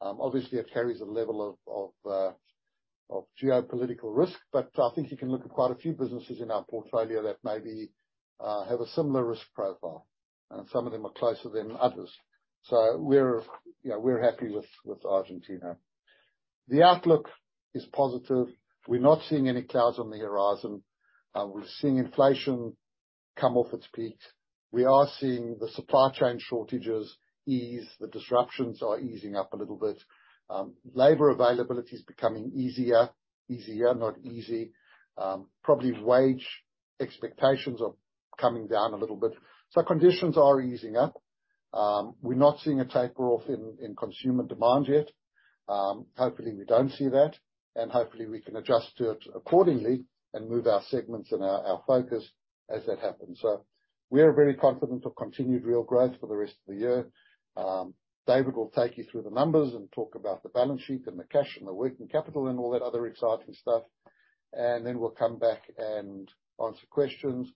Obviously, it carries a level of geopolitical risk. I think you can look at quite a few businesses in our portfolio that maybe have a similar risk profile, and some of them are closer than others. We're, you know, we're happy with Argentina. The outlook is positive. We're not seeing any clouds on the horizon. We're seeing inflation come off its peak. We are seeing the supply chain shortages ease. The disruptions are easing up a little bit. Labor availability is becoming easier. Easier, not easy. Probably wage expectations are coming down a little bit. Conditions are easing up. We're not seeing a takeoff in consumer demand yet. Hopefully, we don't see that. Hopefully, we can adjust to it accordingly and move our segments and our focus as that happens. We are very confident of continued real growth for the rest of the year. David will take you through the numbers and talk about the balance sheet and the cash and the working capital and all that other exciting stuff. We'll come back and answer questions.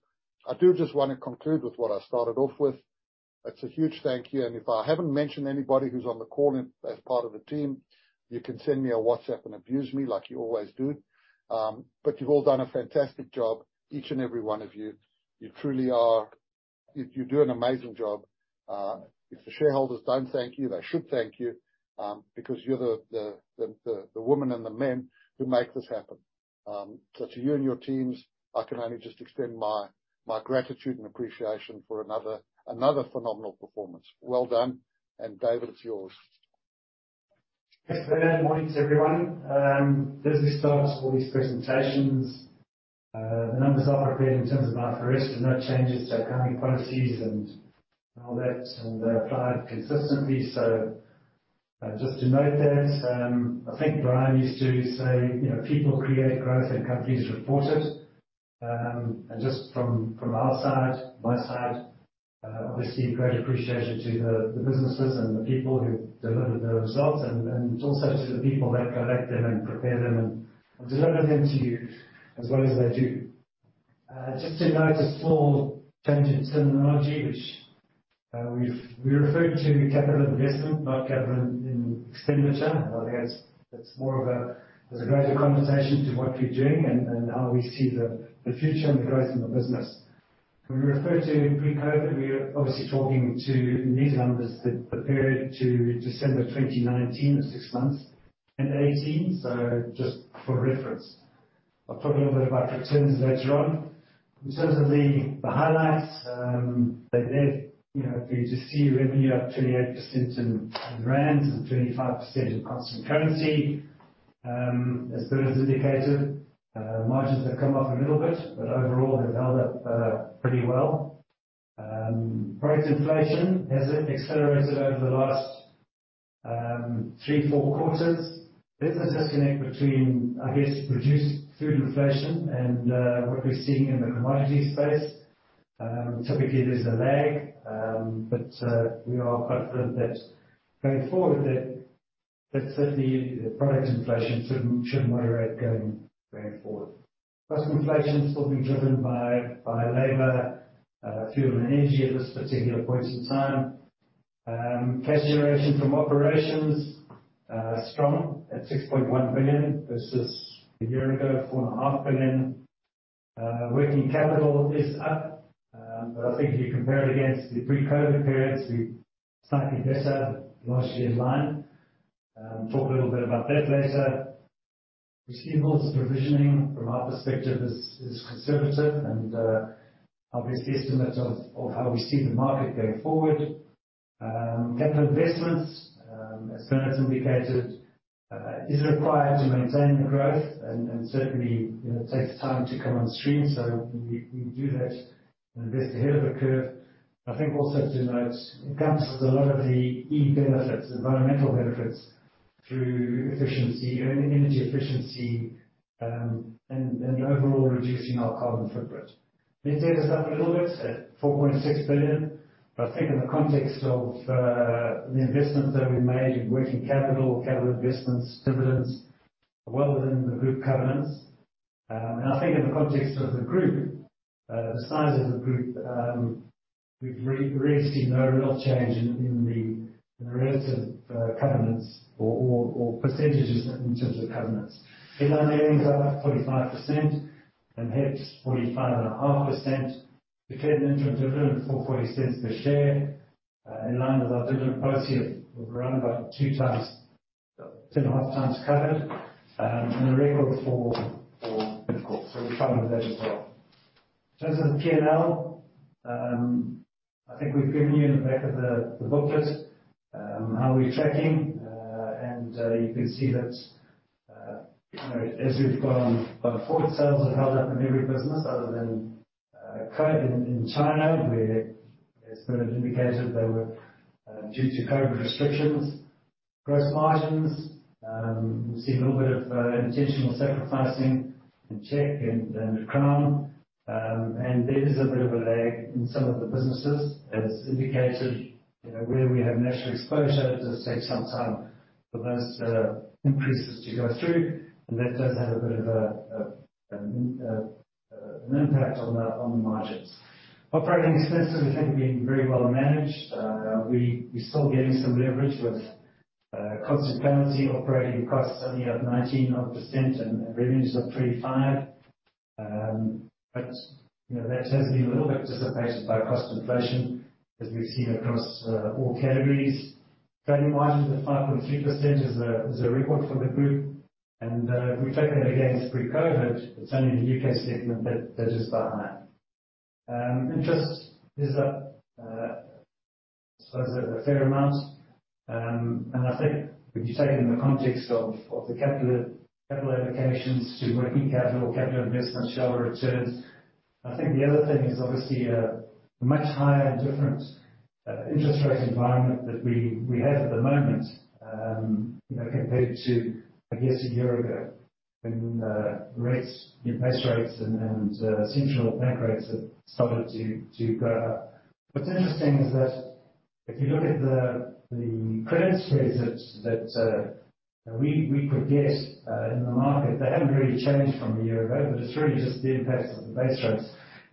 I do just wanna conclude with what I started off with. It's a huge thank you. If I haven't mentioned anybody who's on the call and as part of the team, you can send me a WhatsApp and abuse me like you always do. You've all done a fantastic job, each and every one of you. You truly are. You do an amazing job. If the shareholders don't thank you, they should thank you, because you're the women and the men who make this happen. To you and your teams, I can only just extend my gratitude and appreciation for another phenomenal performance. Well done. David, it's yours. Thanks for that. Morning to everyone. As we start all these presentations, the numbers I've prepared in terms of IFRS do not change its accounting policies and all that, and they're applied consistently. Just to note that, I think Brian used to say, you know, "People create growth and companies report it." Just from our side, my side, obviously great appreciation to the businesses and the people who delivered the results and also to the people that collect them and prepare them and deliver them to you as well as they do. Just to note a small change in terminology, which we refer to capital investment, not capital expenditure. I think it's more of a... There's a greater conversation to what we're doing and how we see the future and the growth in the business. When we refer to pre-COVID, we are obviously talking to these numbers, the period to December 2019, the six months, and 18. Just for reference. I'll talk a little bit about returns later on. In terms of the highlights, they're there. You know, if you just see revenue up 28% in ZAR and 25% in constant currency. As Bernard's indicated, margins have come off a little bit, but overall, they've held up pretty well. Price inflation has accelerated over the last three, four quarters. There's a disconnect between, I guess, reduced food inflation and what we're seeing in the commodity space. Typically there's a lag, but we are quite firm that going forward that certainly product inflation should moderate going forward. Cost inflation is still being driven by labor, fuel and energy at this particular point in time. Cash generation from operations strong at 6.1 billion versus a year ago, 4.5 billion. Working capital is up, but I think if you compare it against the pre-COVID periods, we're slightly better, largely in line. Talk a little bit about that later. Receivables provisioning from our perspective is conservative and obviously estimates of how we see the market going forward. Capital investments, as Bernard indicated, is required to maintain the growth and certainly, you know, takes time to come on stream. We do that, invest ahead of the curve. I think also to note, it comes with a lot of the e-benefits, environmental benefits through efficiency, e-energy efficiency, and overall reducing our carbon footprint. Let's add this up a little bit at 4.6 billion. I think in the context of the investments that we've made in working capital investments, dividends are well within the group covenants. And I think in the context of the group, the size of the group, we've really seen no real change in the relative covenants or percentages in terms of covenants. EBITDA earnings are up 45% and HEPS 45 and a half percent. Declared an interim dividend of ZAR 0.044 per share, in line with our dividend policy of around about two times, two and a half times covered, and a record for Midco. We're proud of that as well. In terms of the P&L, I think we've given you in the back of the booklet how we're tracking. You can see that, you know, as we've gone by forward sales have held up in every business other than in China, where as Bernard indicated they were due to COVID restrictions. Gross margins, we've seen a little bit of intentional sacrificing in Czech and Crown. There is a bit of a lag in some of the businesses as indicated, you know, where we have natural exposure. It does take some time for those increases to go through, and that does have a bit of an impact on the margins. Operating expenses I think have been very well managed. We're still getting some leverage with constant currency operating costs only up 19% odd and revenues up 25%. You know, that has been a little bit dissipated by cost inflation as we've seen across all categories. Trading margins at 5.3% is a record for the group. If we take that against pre-COVID, it's only the U.K. segment that is that high. Interest is up, I suppose a fair amount. I think if you take it in the context of the capital allocations to working capital or capital investments, shallower returns. I think the other thing is obviously a much higher and different interest rate environment that we have at the moment, you know, compared to, I guess a year ago when rates, you know, base rates and central bank rates have started to go up. What's interesting is that if you look at the credit spreads that we could get in the market, they haven't really changed from a year ago, but it's really just the impact of the base rates,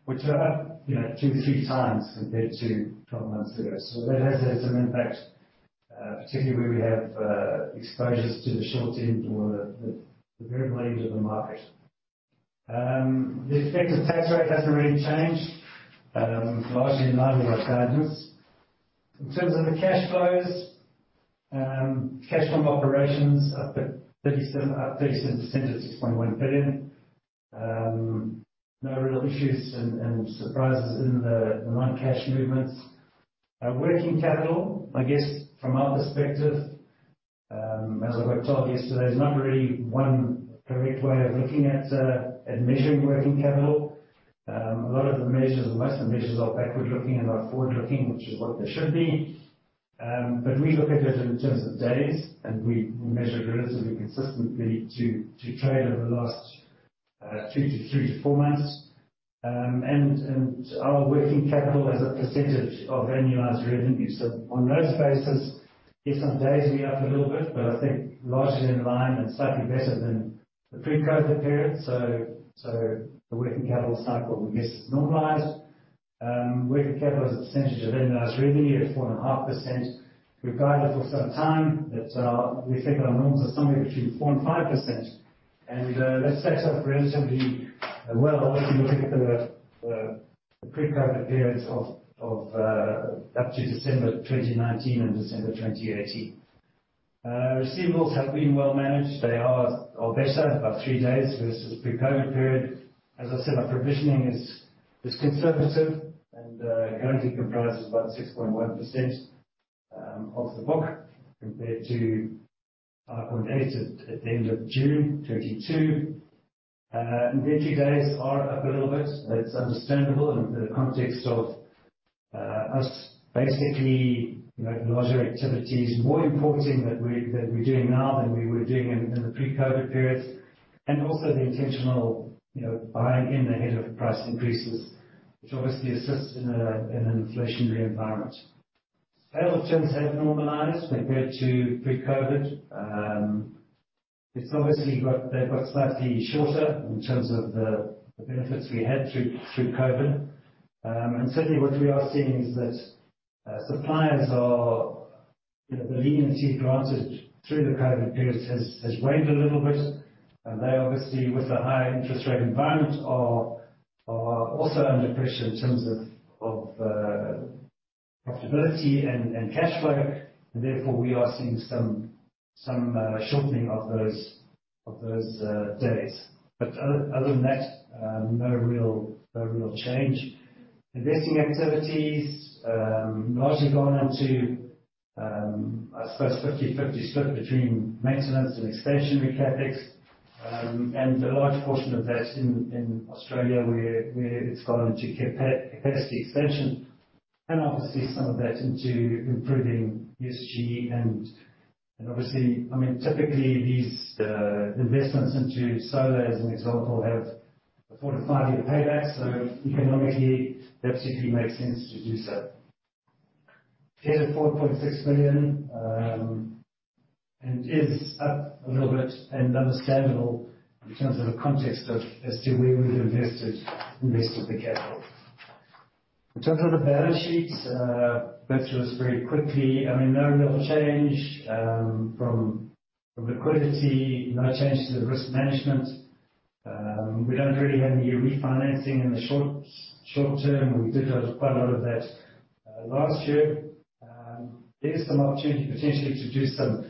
which are up, you know, two to three times compared to 12 months ago. That has had some impact, particularly where we have exposures to the short end or the very lean end of the market. The effective tax rate hasn't really changed, largely in line with our guidance. In terms of the cash flows, cash from operations up 37% to 6.1 billion. No real issues and surprises in the non-cash movements. Working capital, I guess from our perspective, as I was told yesterday, there's not really one correct way of looking at measuring working capital. A lot of the measures or most of the measures are backward-looking and are forward-looking, which is what they should be. We look at it in terms of days, and we measure it relatively consistently to trade over the last two to three to four months. Our working capital as a percentage of annualized revenues. On those bases, yes, our days are up a little bit, but I think largely in line and slightly better than the pre-COVID period. The working capital cycle we guess is normalized. Working capital as a percentage of annualized revenue at 4.5%. We've guided for some time that we think our norms are somewhere between 4% and 5%. That stacks up relatively well if you look at the pre-COVID periods of up to December 2019 and December 2018. Receivables have been well managed. They are better, about three days versus pre-COVID period. As I said, our provisioning is conservative and currently comprises about 6.1% of the book compared to on dates at the end of June 2022. Inventory days are up a little bit. That's understandable in the context of us basically, you know, larger activities, more importing that we're doing now than we were doing in the pre-COVID periods. Also the intentional, you know, buying in ahead of price increases, which obviously assists in an inflationary environment. Payables terms have normalized compared to pre-COVID. It's obviously they've got slightly shorter in terms of the benefits we had through COVID. Certainly what we are seeing is that, you know, suppliers are, the leniency granted through the COVID period has waned a little bit. They obviously, with the high interest rate environment are also under pressure in terms of profitability and cash flow. Therefore, we are seeing some shortening of those debts. Other than that, no real change. Investing activities, largely gone into, I suppose 50/50 split between maintenance and expansionary CapEx. A large portion of that in Australia, where it's gone into capacity expansion, and obviously some of that into improving ESG. Obviously, I mean, typically these investments into solar, as an example, have a four-five-year payback. Economically, that simply makes sense to do so. Debt of 4.6 billion is up a little bit, and understandable in terms of the context of as to where we've invested the capital. In terms of the balance sheets, let's just very quickly I mean, no real change from liquidity. No change to the risk management. We don't really have any refinancing in the short term. We did have quite a lot of that last year. There's some opportunity potentially to do some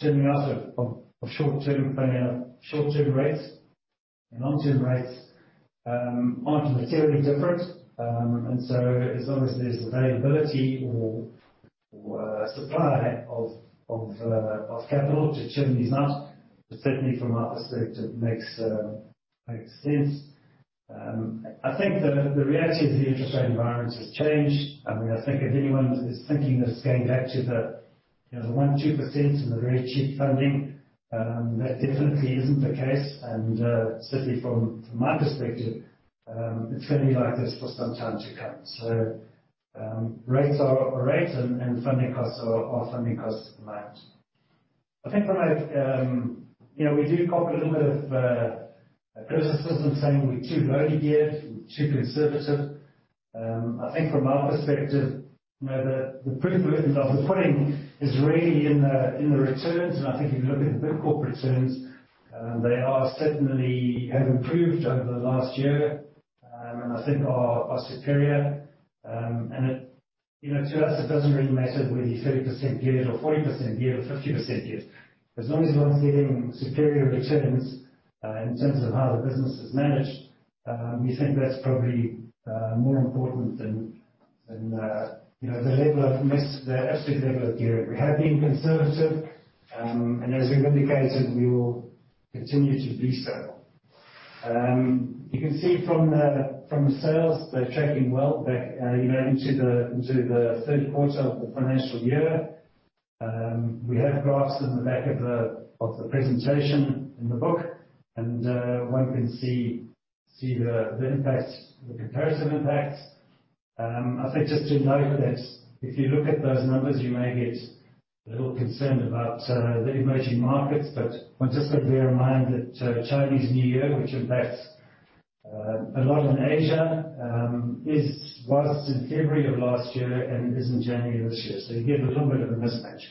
trimming out of short-term planning, short-term rates, and long-term rates aren't materially different. As long as there's availability or supply of capital to trim these out, certainly from our perspective, makes sense. I think the reality of the interest rate environment has changed. I mean, I think if anyone is thinking that it's going back to the, you know, the 1%, 2% and the very cheap funding, that definitely isn't the case. Certainly from my perspective, it's gonna be like this for some time to come. Rates are rates and funding costs are funding costs at the moment. I think when I, you know, we do cop a little bit of criticism saying we're too lowly geared, we're too conservative. I think from our perspective, you know, the proof of the pudding is really in the returns. I think if you look at the Bidcorp returns, they are certainly have improved over the last year. I think are superior. It. You know, to us, it doesn't really matter whether you're 30% geared or 40% geared, or 50% geared. As long as one's getting superior returns, in terms of how the business is managed, we think that's probably more important than, you know, the level of risk, the absolute level of gearing. We have been conservative, as we've indicated, we will continue to be so. You can see from the sales, they're tracking well back, you know, into the third quarter of the financial year. We have graphs in the back of the presentation in the book, and one can see the impact, the comparison impact. I think just to note that if you look at those numbers, you may get a little concerned about the emerging markets. One's just got to bear in mind that Chinese New Year, which impacts a lot in Asia, was in February of last year and is in January this year. You get a little bit of a mismatch.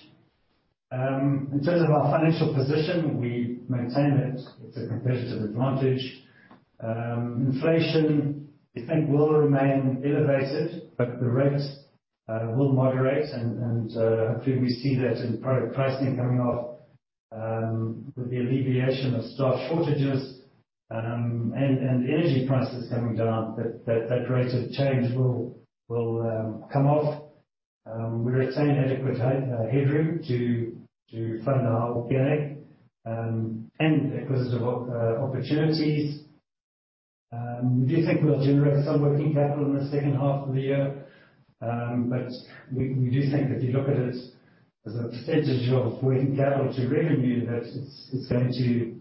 In terms of our financial position, we maintain that it's a competitive advantage. Inflation, we think will remain elevated, but the rate will moderate. Hopefully we see that in product pricing coming off with the alleviation of staff shortages, and energy prices coming down, that rate of change will come off. We retain adequate headroom to fund our organic and acquisitive opportunities. We do think we'll generate some working capital in the second half of the year. We do think if you look at it as a % of working capital to revenue, that it's going to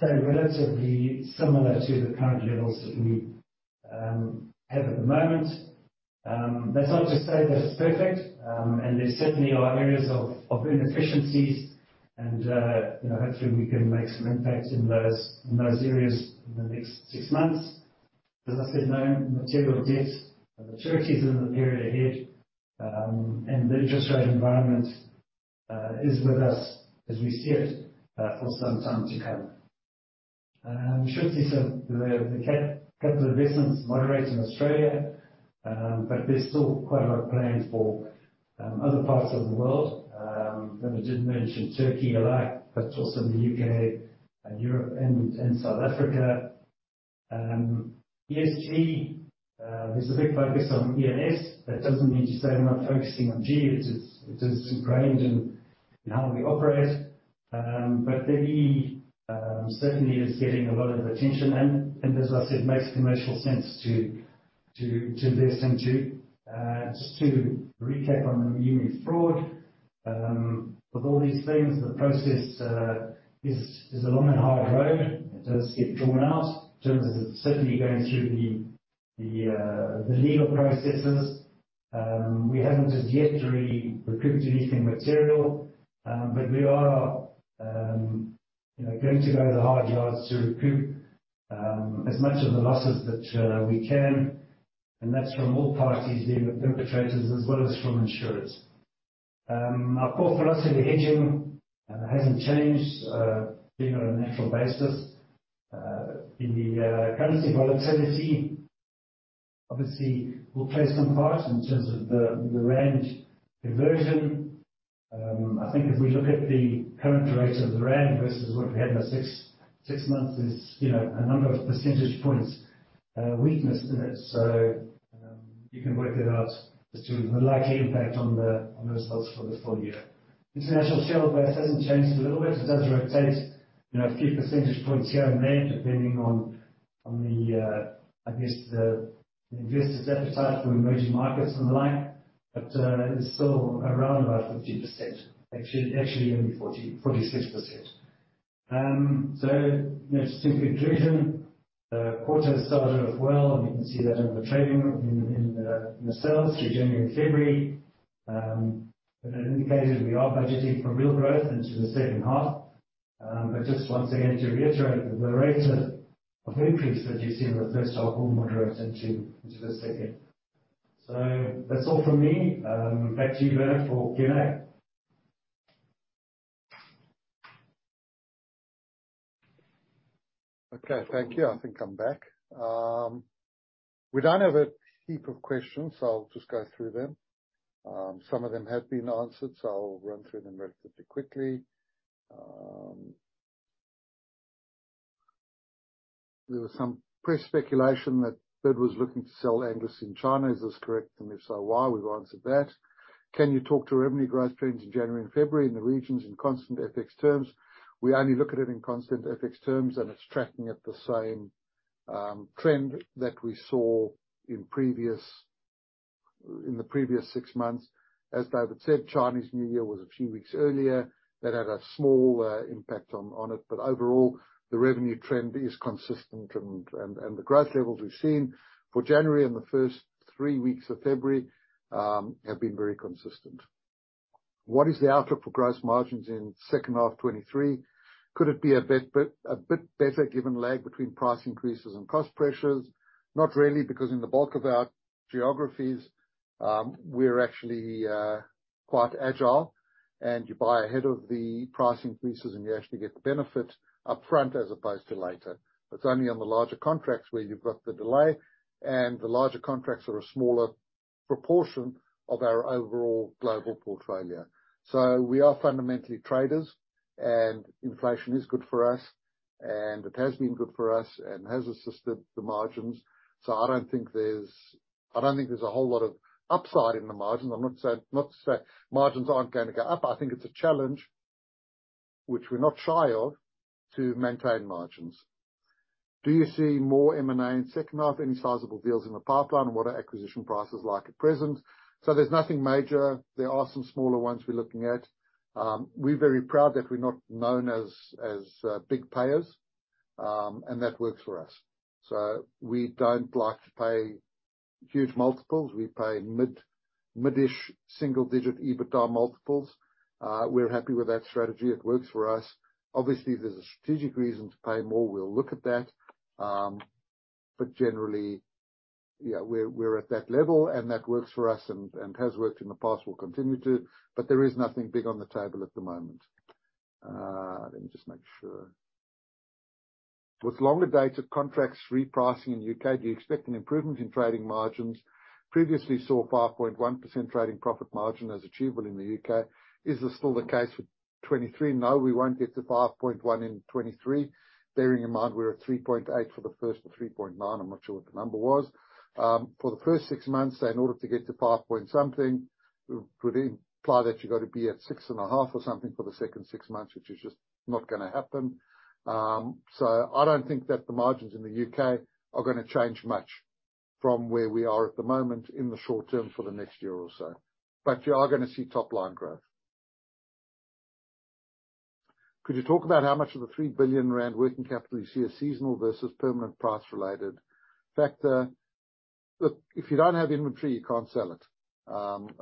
stay relatively similar to the current levels that we have at the moment. That's not to say that it's perfect. There certainly are areas of inefficiencies, and, you know, hopefully we can make some impact in those areas in the next six months. As I said, no material debt maturities in the period ahead. The interest rate environment is with us as we see it for some time to come. We should see capital investments moderate in Australia, but there's still quite a lot of plans for other parts of the world. Remember I did mention Turkey a lot, but also the U.K. and Europe and South Africa. ESG, there's a big focus on E and S. That doesn't mean to say we're not focusing on G. It is ingrained in how we operate. The E, certainly is getting a lot of attention and as I said, makes commercial sense to invest into. Just to recap on the Munich fraud, with all these claims, the process is a long and hard road. It does get drawn out in terms of certainly going through the legal processes. We haven't as yet really recouped anything material, but we are, you know, going to go the hard yards to recoup as much of the losses that we can, and that's from all parties, the perpetrators, as well as from insurers. Our core philosophy of hedging hasn't changed, being on a natural basis. The currency volatility obviously will play some part in terms of the rand diversion. I think if we look at the current rate of the rand versus what we had in the six months is, you know, a number of percentage points weakness in it. You can work it out as to the likely impact on the results for the full year. International share base hasn't changed a little bit. It does rotate, you know, a few percentage points here and there, depending on the, I guess the investors' appetite for emerging markets and the like. It's still around about 50%. Actually only 46%. Just in conclusion, the quarter started off well, and you can see that in the trading in the sales through January and February. As indicated, we are budgeting for real growth into the second half. Just once again, to reiterate, the rate of increase that you see in the first half will moderate into the second. That's all from me. Back to you, Grant, for Q&A. Okay. Thank you. I think I'm back. We don't have a heap of questions, so I'll just go through them. Some of them have been answered, so I'll run through them relatively quickly. There was some press speculation that Bid was looking to sell Angliss in China. Is this correct? If so, why? We've answered that. Can you talk to revenue growth trends in January and February in the regions in constant FX terms? We only look at it in constant FX terms, and it's tracking at the same trend that we saw in previous, in the previous six months. As David said, Chinese New Year was a few weeks earlier. That had a small impact on it. Overall, the revenue trend is consistent and the growth levels we've seen for January and the first three weeks of February have been very consistent. What is the outlook for gross margins in second half 2023? Could it be a bit better given lag between price increases and cost pressures? Not really, because in the bulk of our geographies, we're actually quite agile, and you buy ahead of the price increases, and you actually get the benefit up front as opposed to later. It's only on the larger contracts where you've got the delay, and the larger contracts are a smaller proportion of our overall global portfolio. We are fundamentally traders, and inflation is good for us, and it has been good for us and has assisted the margins. I don't think there's a whole lot of upside in the margins. I'm not saying, not to say margins aren't gonna go up. I think it's a challenge, which we're not shy of, to maintain margins. Do you see more M&A in second half? Any sizable deals in the pipeline? What are acquisition prices like at present? There's nothing major. There are some smaller ones we're looking at. We're very proud that we're not known as big payers, and that works for us. We don't like to pay huge multiples. We pay mid-ish single digit EBITDA multiples. We're happy with that strategy. It works for us. Obviously, if there's a strategic reason to pay more, we'll look at that. Generally, yeah, we're at that level, and that works for us and has worked in the past, will continue to, but there is nothing big on the table at the moment. Let me just make sure. With longer dated contracts repricing in U.K., do you expect an improvement in trading margins? Previously saw 5.1% trading profit margin as achievable in the U.K.. Is this still the case with 2023? No, we won't get to 5.1 in 2023. Bearing in mind we're at 3.8 for the first, or 3.9, I'm not sure what the number was. For the first six months, in order to get to 5.something, it would imply that you've got to be at 6.5 or something for the second six months, which is just not gonna happen. I don't think that the margins in the U.K. are gonna change much from where we are at the moment in the short term for the next year or so. You are gonna see top line growth. Could you talk about how much of the 3 billion rand working capital you see is seasonal versus permanent price-related factor? Look, if you don't have inventory, you can't sell it.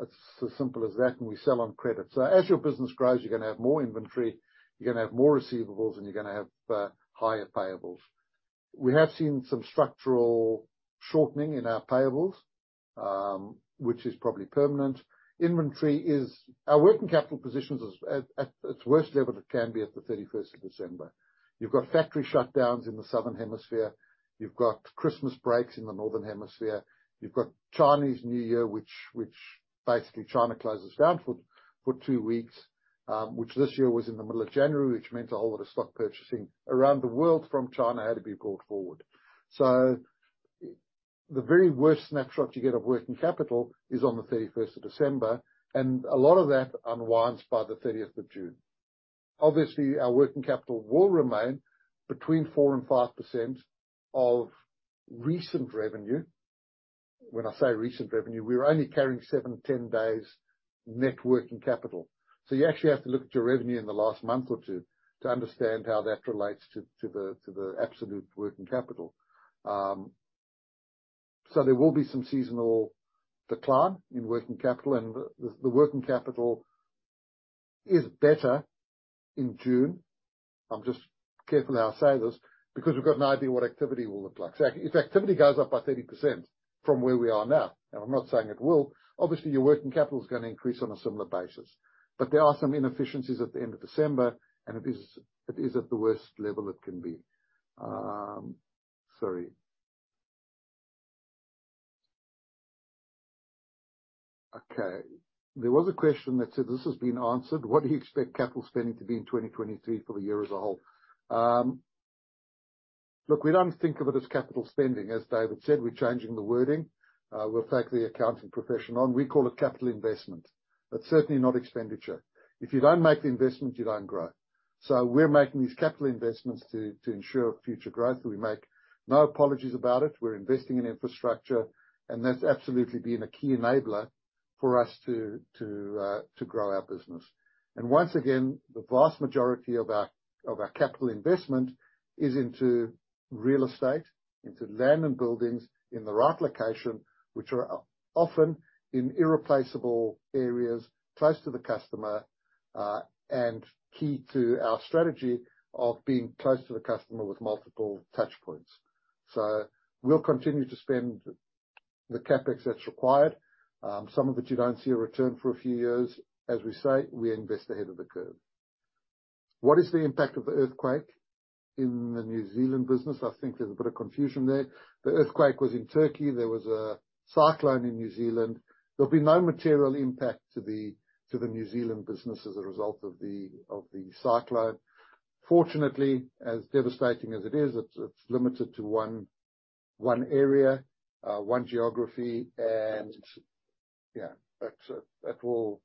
It's as simple as that, we sell on credit. As your business grows, you're gonna have more inventory, you're gonna have more receivables, and you're gonna have higher payables. We have seen some structural shortening in our payables, which is probably permanent. Our working capital position is at its worst level it can be at the 31st of December. You've got factory shutdowns in the southern hemisphere. You've got Christmas breaks in the northern hemisphere. You've got Chinese New Year, which basically China closes down for two weeks. Which this year was in the middle of January, which meant a whole lot of stock purchasing around the world from China had to be brought forward. The very worst snapshot you get of working capital is on the 31st of December, and a lot of that unwinds by the 30th of June. Obviously, our working capital will remain between 4% and 5% of recent revenue. When I say recent revenue, we're only carrying seven-10 days net working capital. You actually have to look at your revenue in the last month or two to understand how that relates to the absolute working capital. There will be some seasonal decline in working capital and the working capital is better in June. I'm just careful how I say this because we've got an idea what activity will look like. If activity goes up by 30% from where we are now, and I'm not saying it will, obviously your working capital is gonna increase on a similar basis. There are some inefficiencies at the end of December, and it is at the worst level it can be. Sorry. Okay. There was a question that said. This has been answered. What do you expect capital spending to be in 2023 for the year as a whole? Look, we don't think of it as capital spending. As David said, we're changing the wording. We'll take the accounting profession on. We call it capital investment. That's certainly not expenditure. If you don't make the investment, you don't grow. We're making these capital investments to ensure future growth. We make no apologies about it. We're investing in infrastructure, that's absolutely been a key enabler for us to grow our business. Once again, the vast majority of our capital investment is into real estate, into land and buildings in the right location, which are often in irreplaceable areas close to the customer, and key to our strategy of being close to the customer with multiple touchpoints. We'll continue to spend the CapEx that's required, some of which you don't see a return for a few years. As we say, we invest ahead of the curve. What is the impact of the earthquake in the New Zealand business? I think there's a bit of confusion there. The earthquake was in Turkey. There was a cyclone in New Zealand. There'll be no material impact to the, to the New Zealand business as a result of the, of the cyclone. Fortunately, as devastating as it is, it's limited to one area, one geography, and yeah, that will,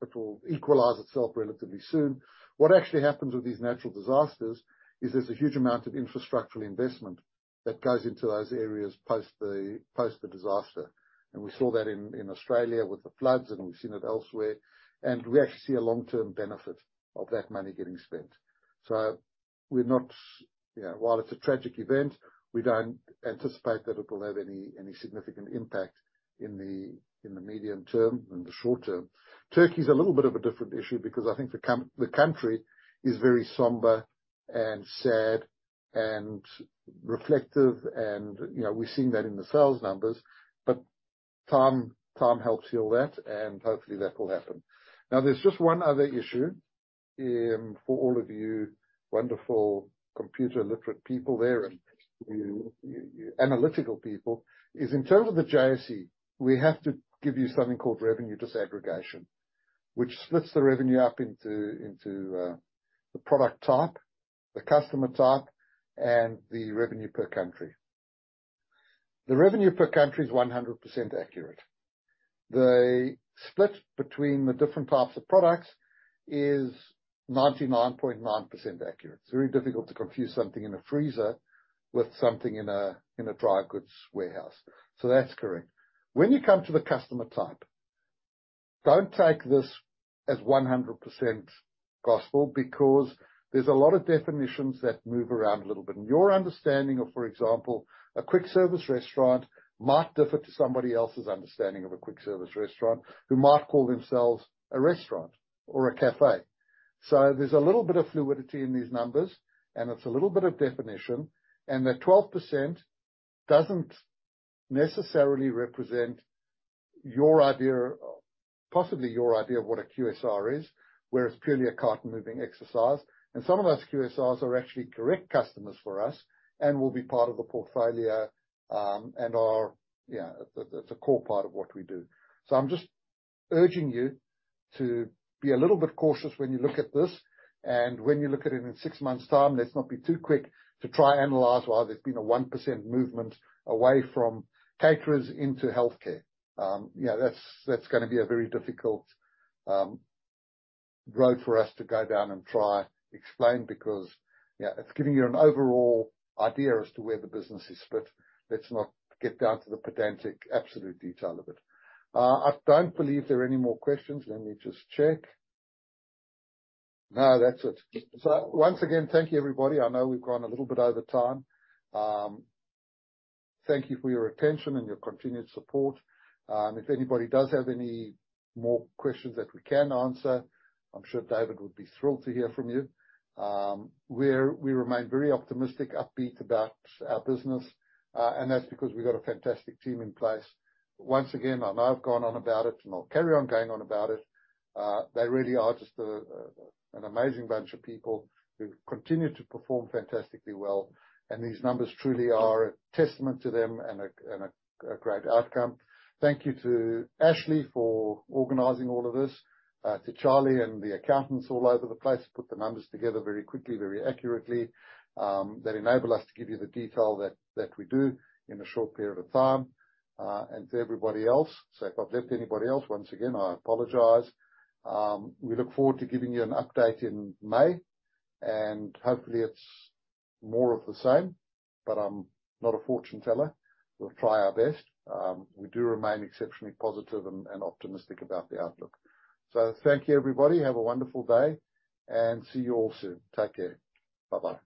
that will equalize itself relatively soon. What actually happens with these natural disasters is there's a huge amount of infrastructural investment that goes into those areas post the, post the disaster. We saw that in Australia with the floods, and we've seen it elsewhere. We actually see a long-term benefit of that money getting spent. You know, while it's a tragic event, we don't anticipate that it will have any significant impact in the, in the medium term, in the short term. Turkey's a little bit of a different issue because I think the country is very somber and sad and reflective and, you know, we've seen that in the sales numbers. Time, time helps heal that, and hopefully that will happen. There's just one other issue for all of you wonderful computer literate people there and you analytical people, is in terms of the JSE, we have to give you something called revenue disaggregation, which splits the revenue up into the product type, the customer type, and the revenue per country. The revenue per country is 100% accurate. The split between the different types of products is 99.9% accurate. It's very difficult to confuse something in a freezer with something in a dry goods warehouse. That's correct. When you come to the customer type, don't take this as 100% gospel because there's a lot of definitions that move around a little bit. Your understanding of, for example, a quick service restaurant might differ to somebody else's understanding of a quick service restaurant who might call themselves a restaurant or a café. There's a little bit of fluidity in these numbers, and it's a little bit of definition. The 12% doesn't necessarily represent your idea, possibly your idea of what a QSR is, where it's purely a carton moving exercise. Some of those QSRs are actually correct customers for us and will be part of the portfolio, and are, you know, it's a core part of what we do. I'm just urging you to be a little bit cautious when you look at this. When you look at it in six months' time, let's not be too quick to try analyze why there's been a 1% movement away from caterers into healthcare. You know, that's gonna be a very difficult road for us to go down and try explain because, yeah, it's giving you an overall idea as to where the business is split. Let's not get down to the pedantic absolute detail of it. I don't believe there are any more questions. Let me just check. No, that's it. Once again, thank you, everybody. I know we've gone a little bit over time. Thank you for your attention and your continued support. If anybody does have any more questions that we can answer, I'm sure David would be thrilled to hear from you. We remain very optimistic, upbeat about our business, that's because we've got a fantastic team in place. Once again, I know I've gone on about it, I'll carry on going on about it. They really are just a, an amazing bunch of people who continue to perform fantastically well. These numbers truly are a testament to them and a, and a great outcome. Thank you to Ashley for organizing all of this, to Charlie and the accountants all over the place who put the numbers together very quickly, very accurately, that enable us to give you the detail that we do in a short period of time, and to everybody else. If I've left anybody else, once again, I apologize. We look forward to giving you an update in May, and hopefully it's more of the same, but I'm not a fortune teller. We'll try our best. We do remain exceptionally positive and optimistic about the outlook. Thank you, everybody. Have a wonderful day, and see you all soon. Take care. Bye-bye.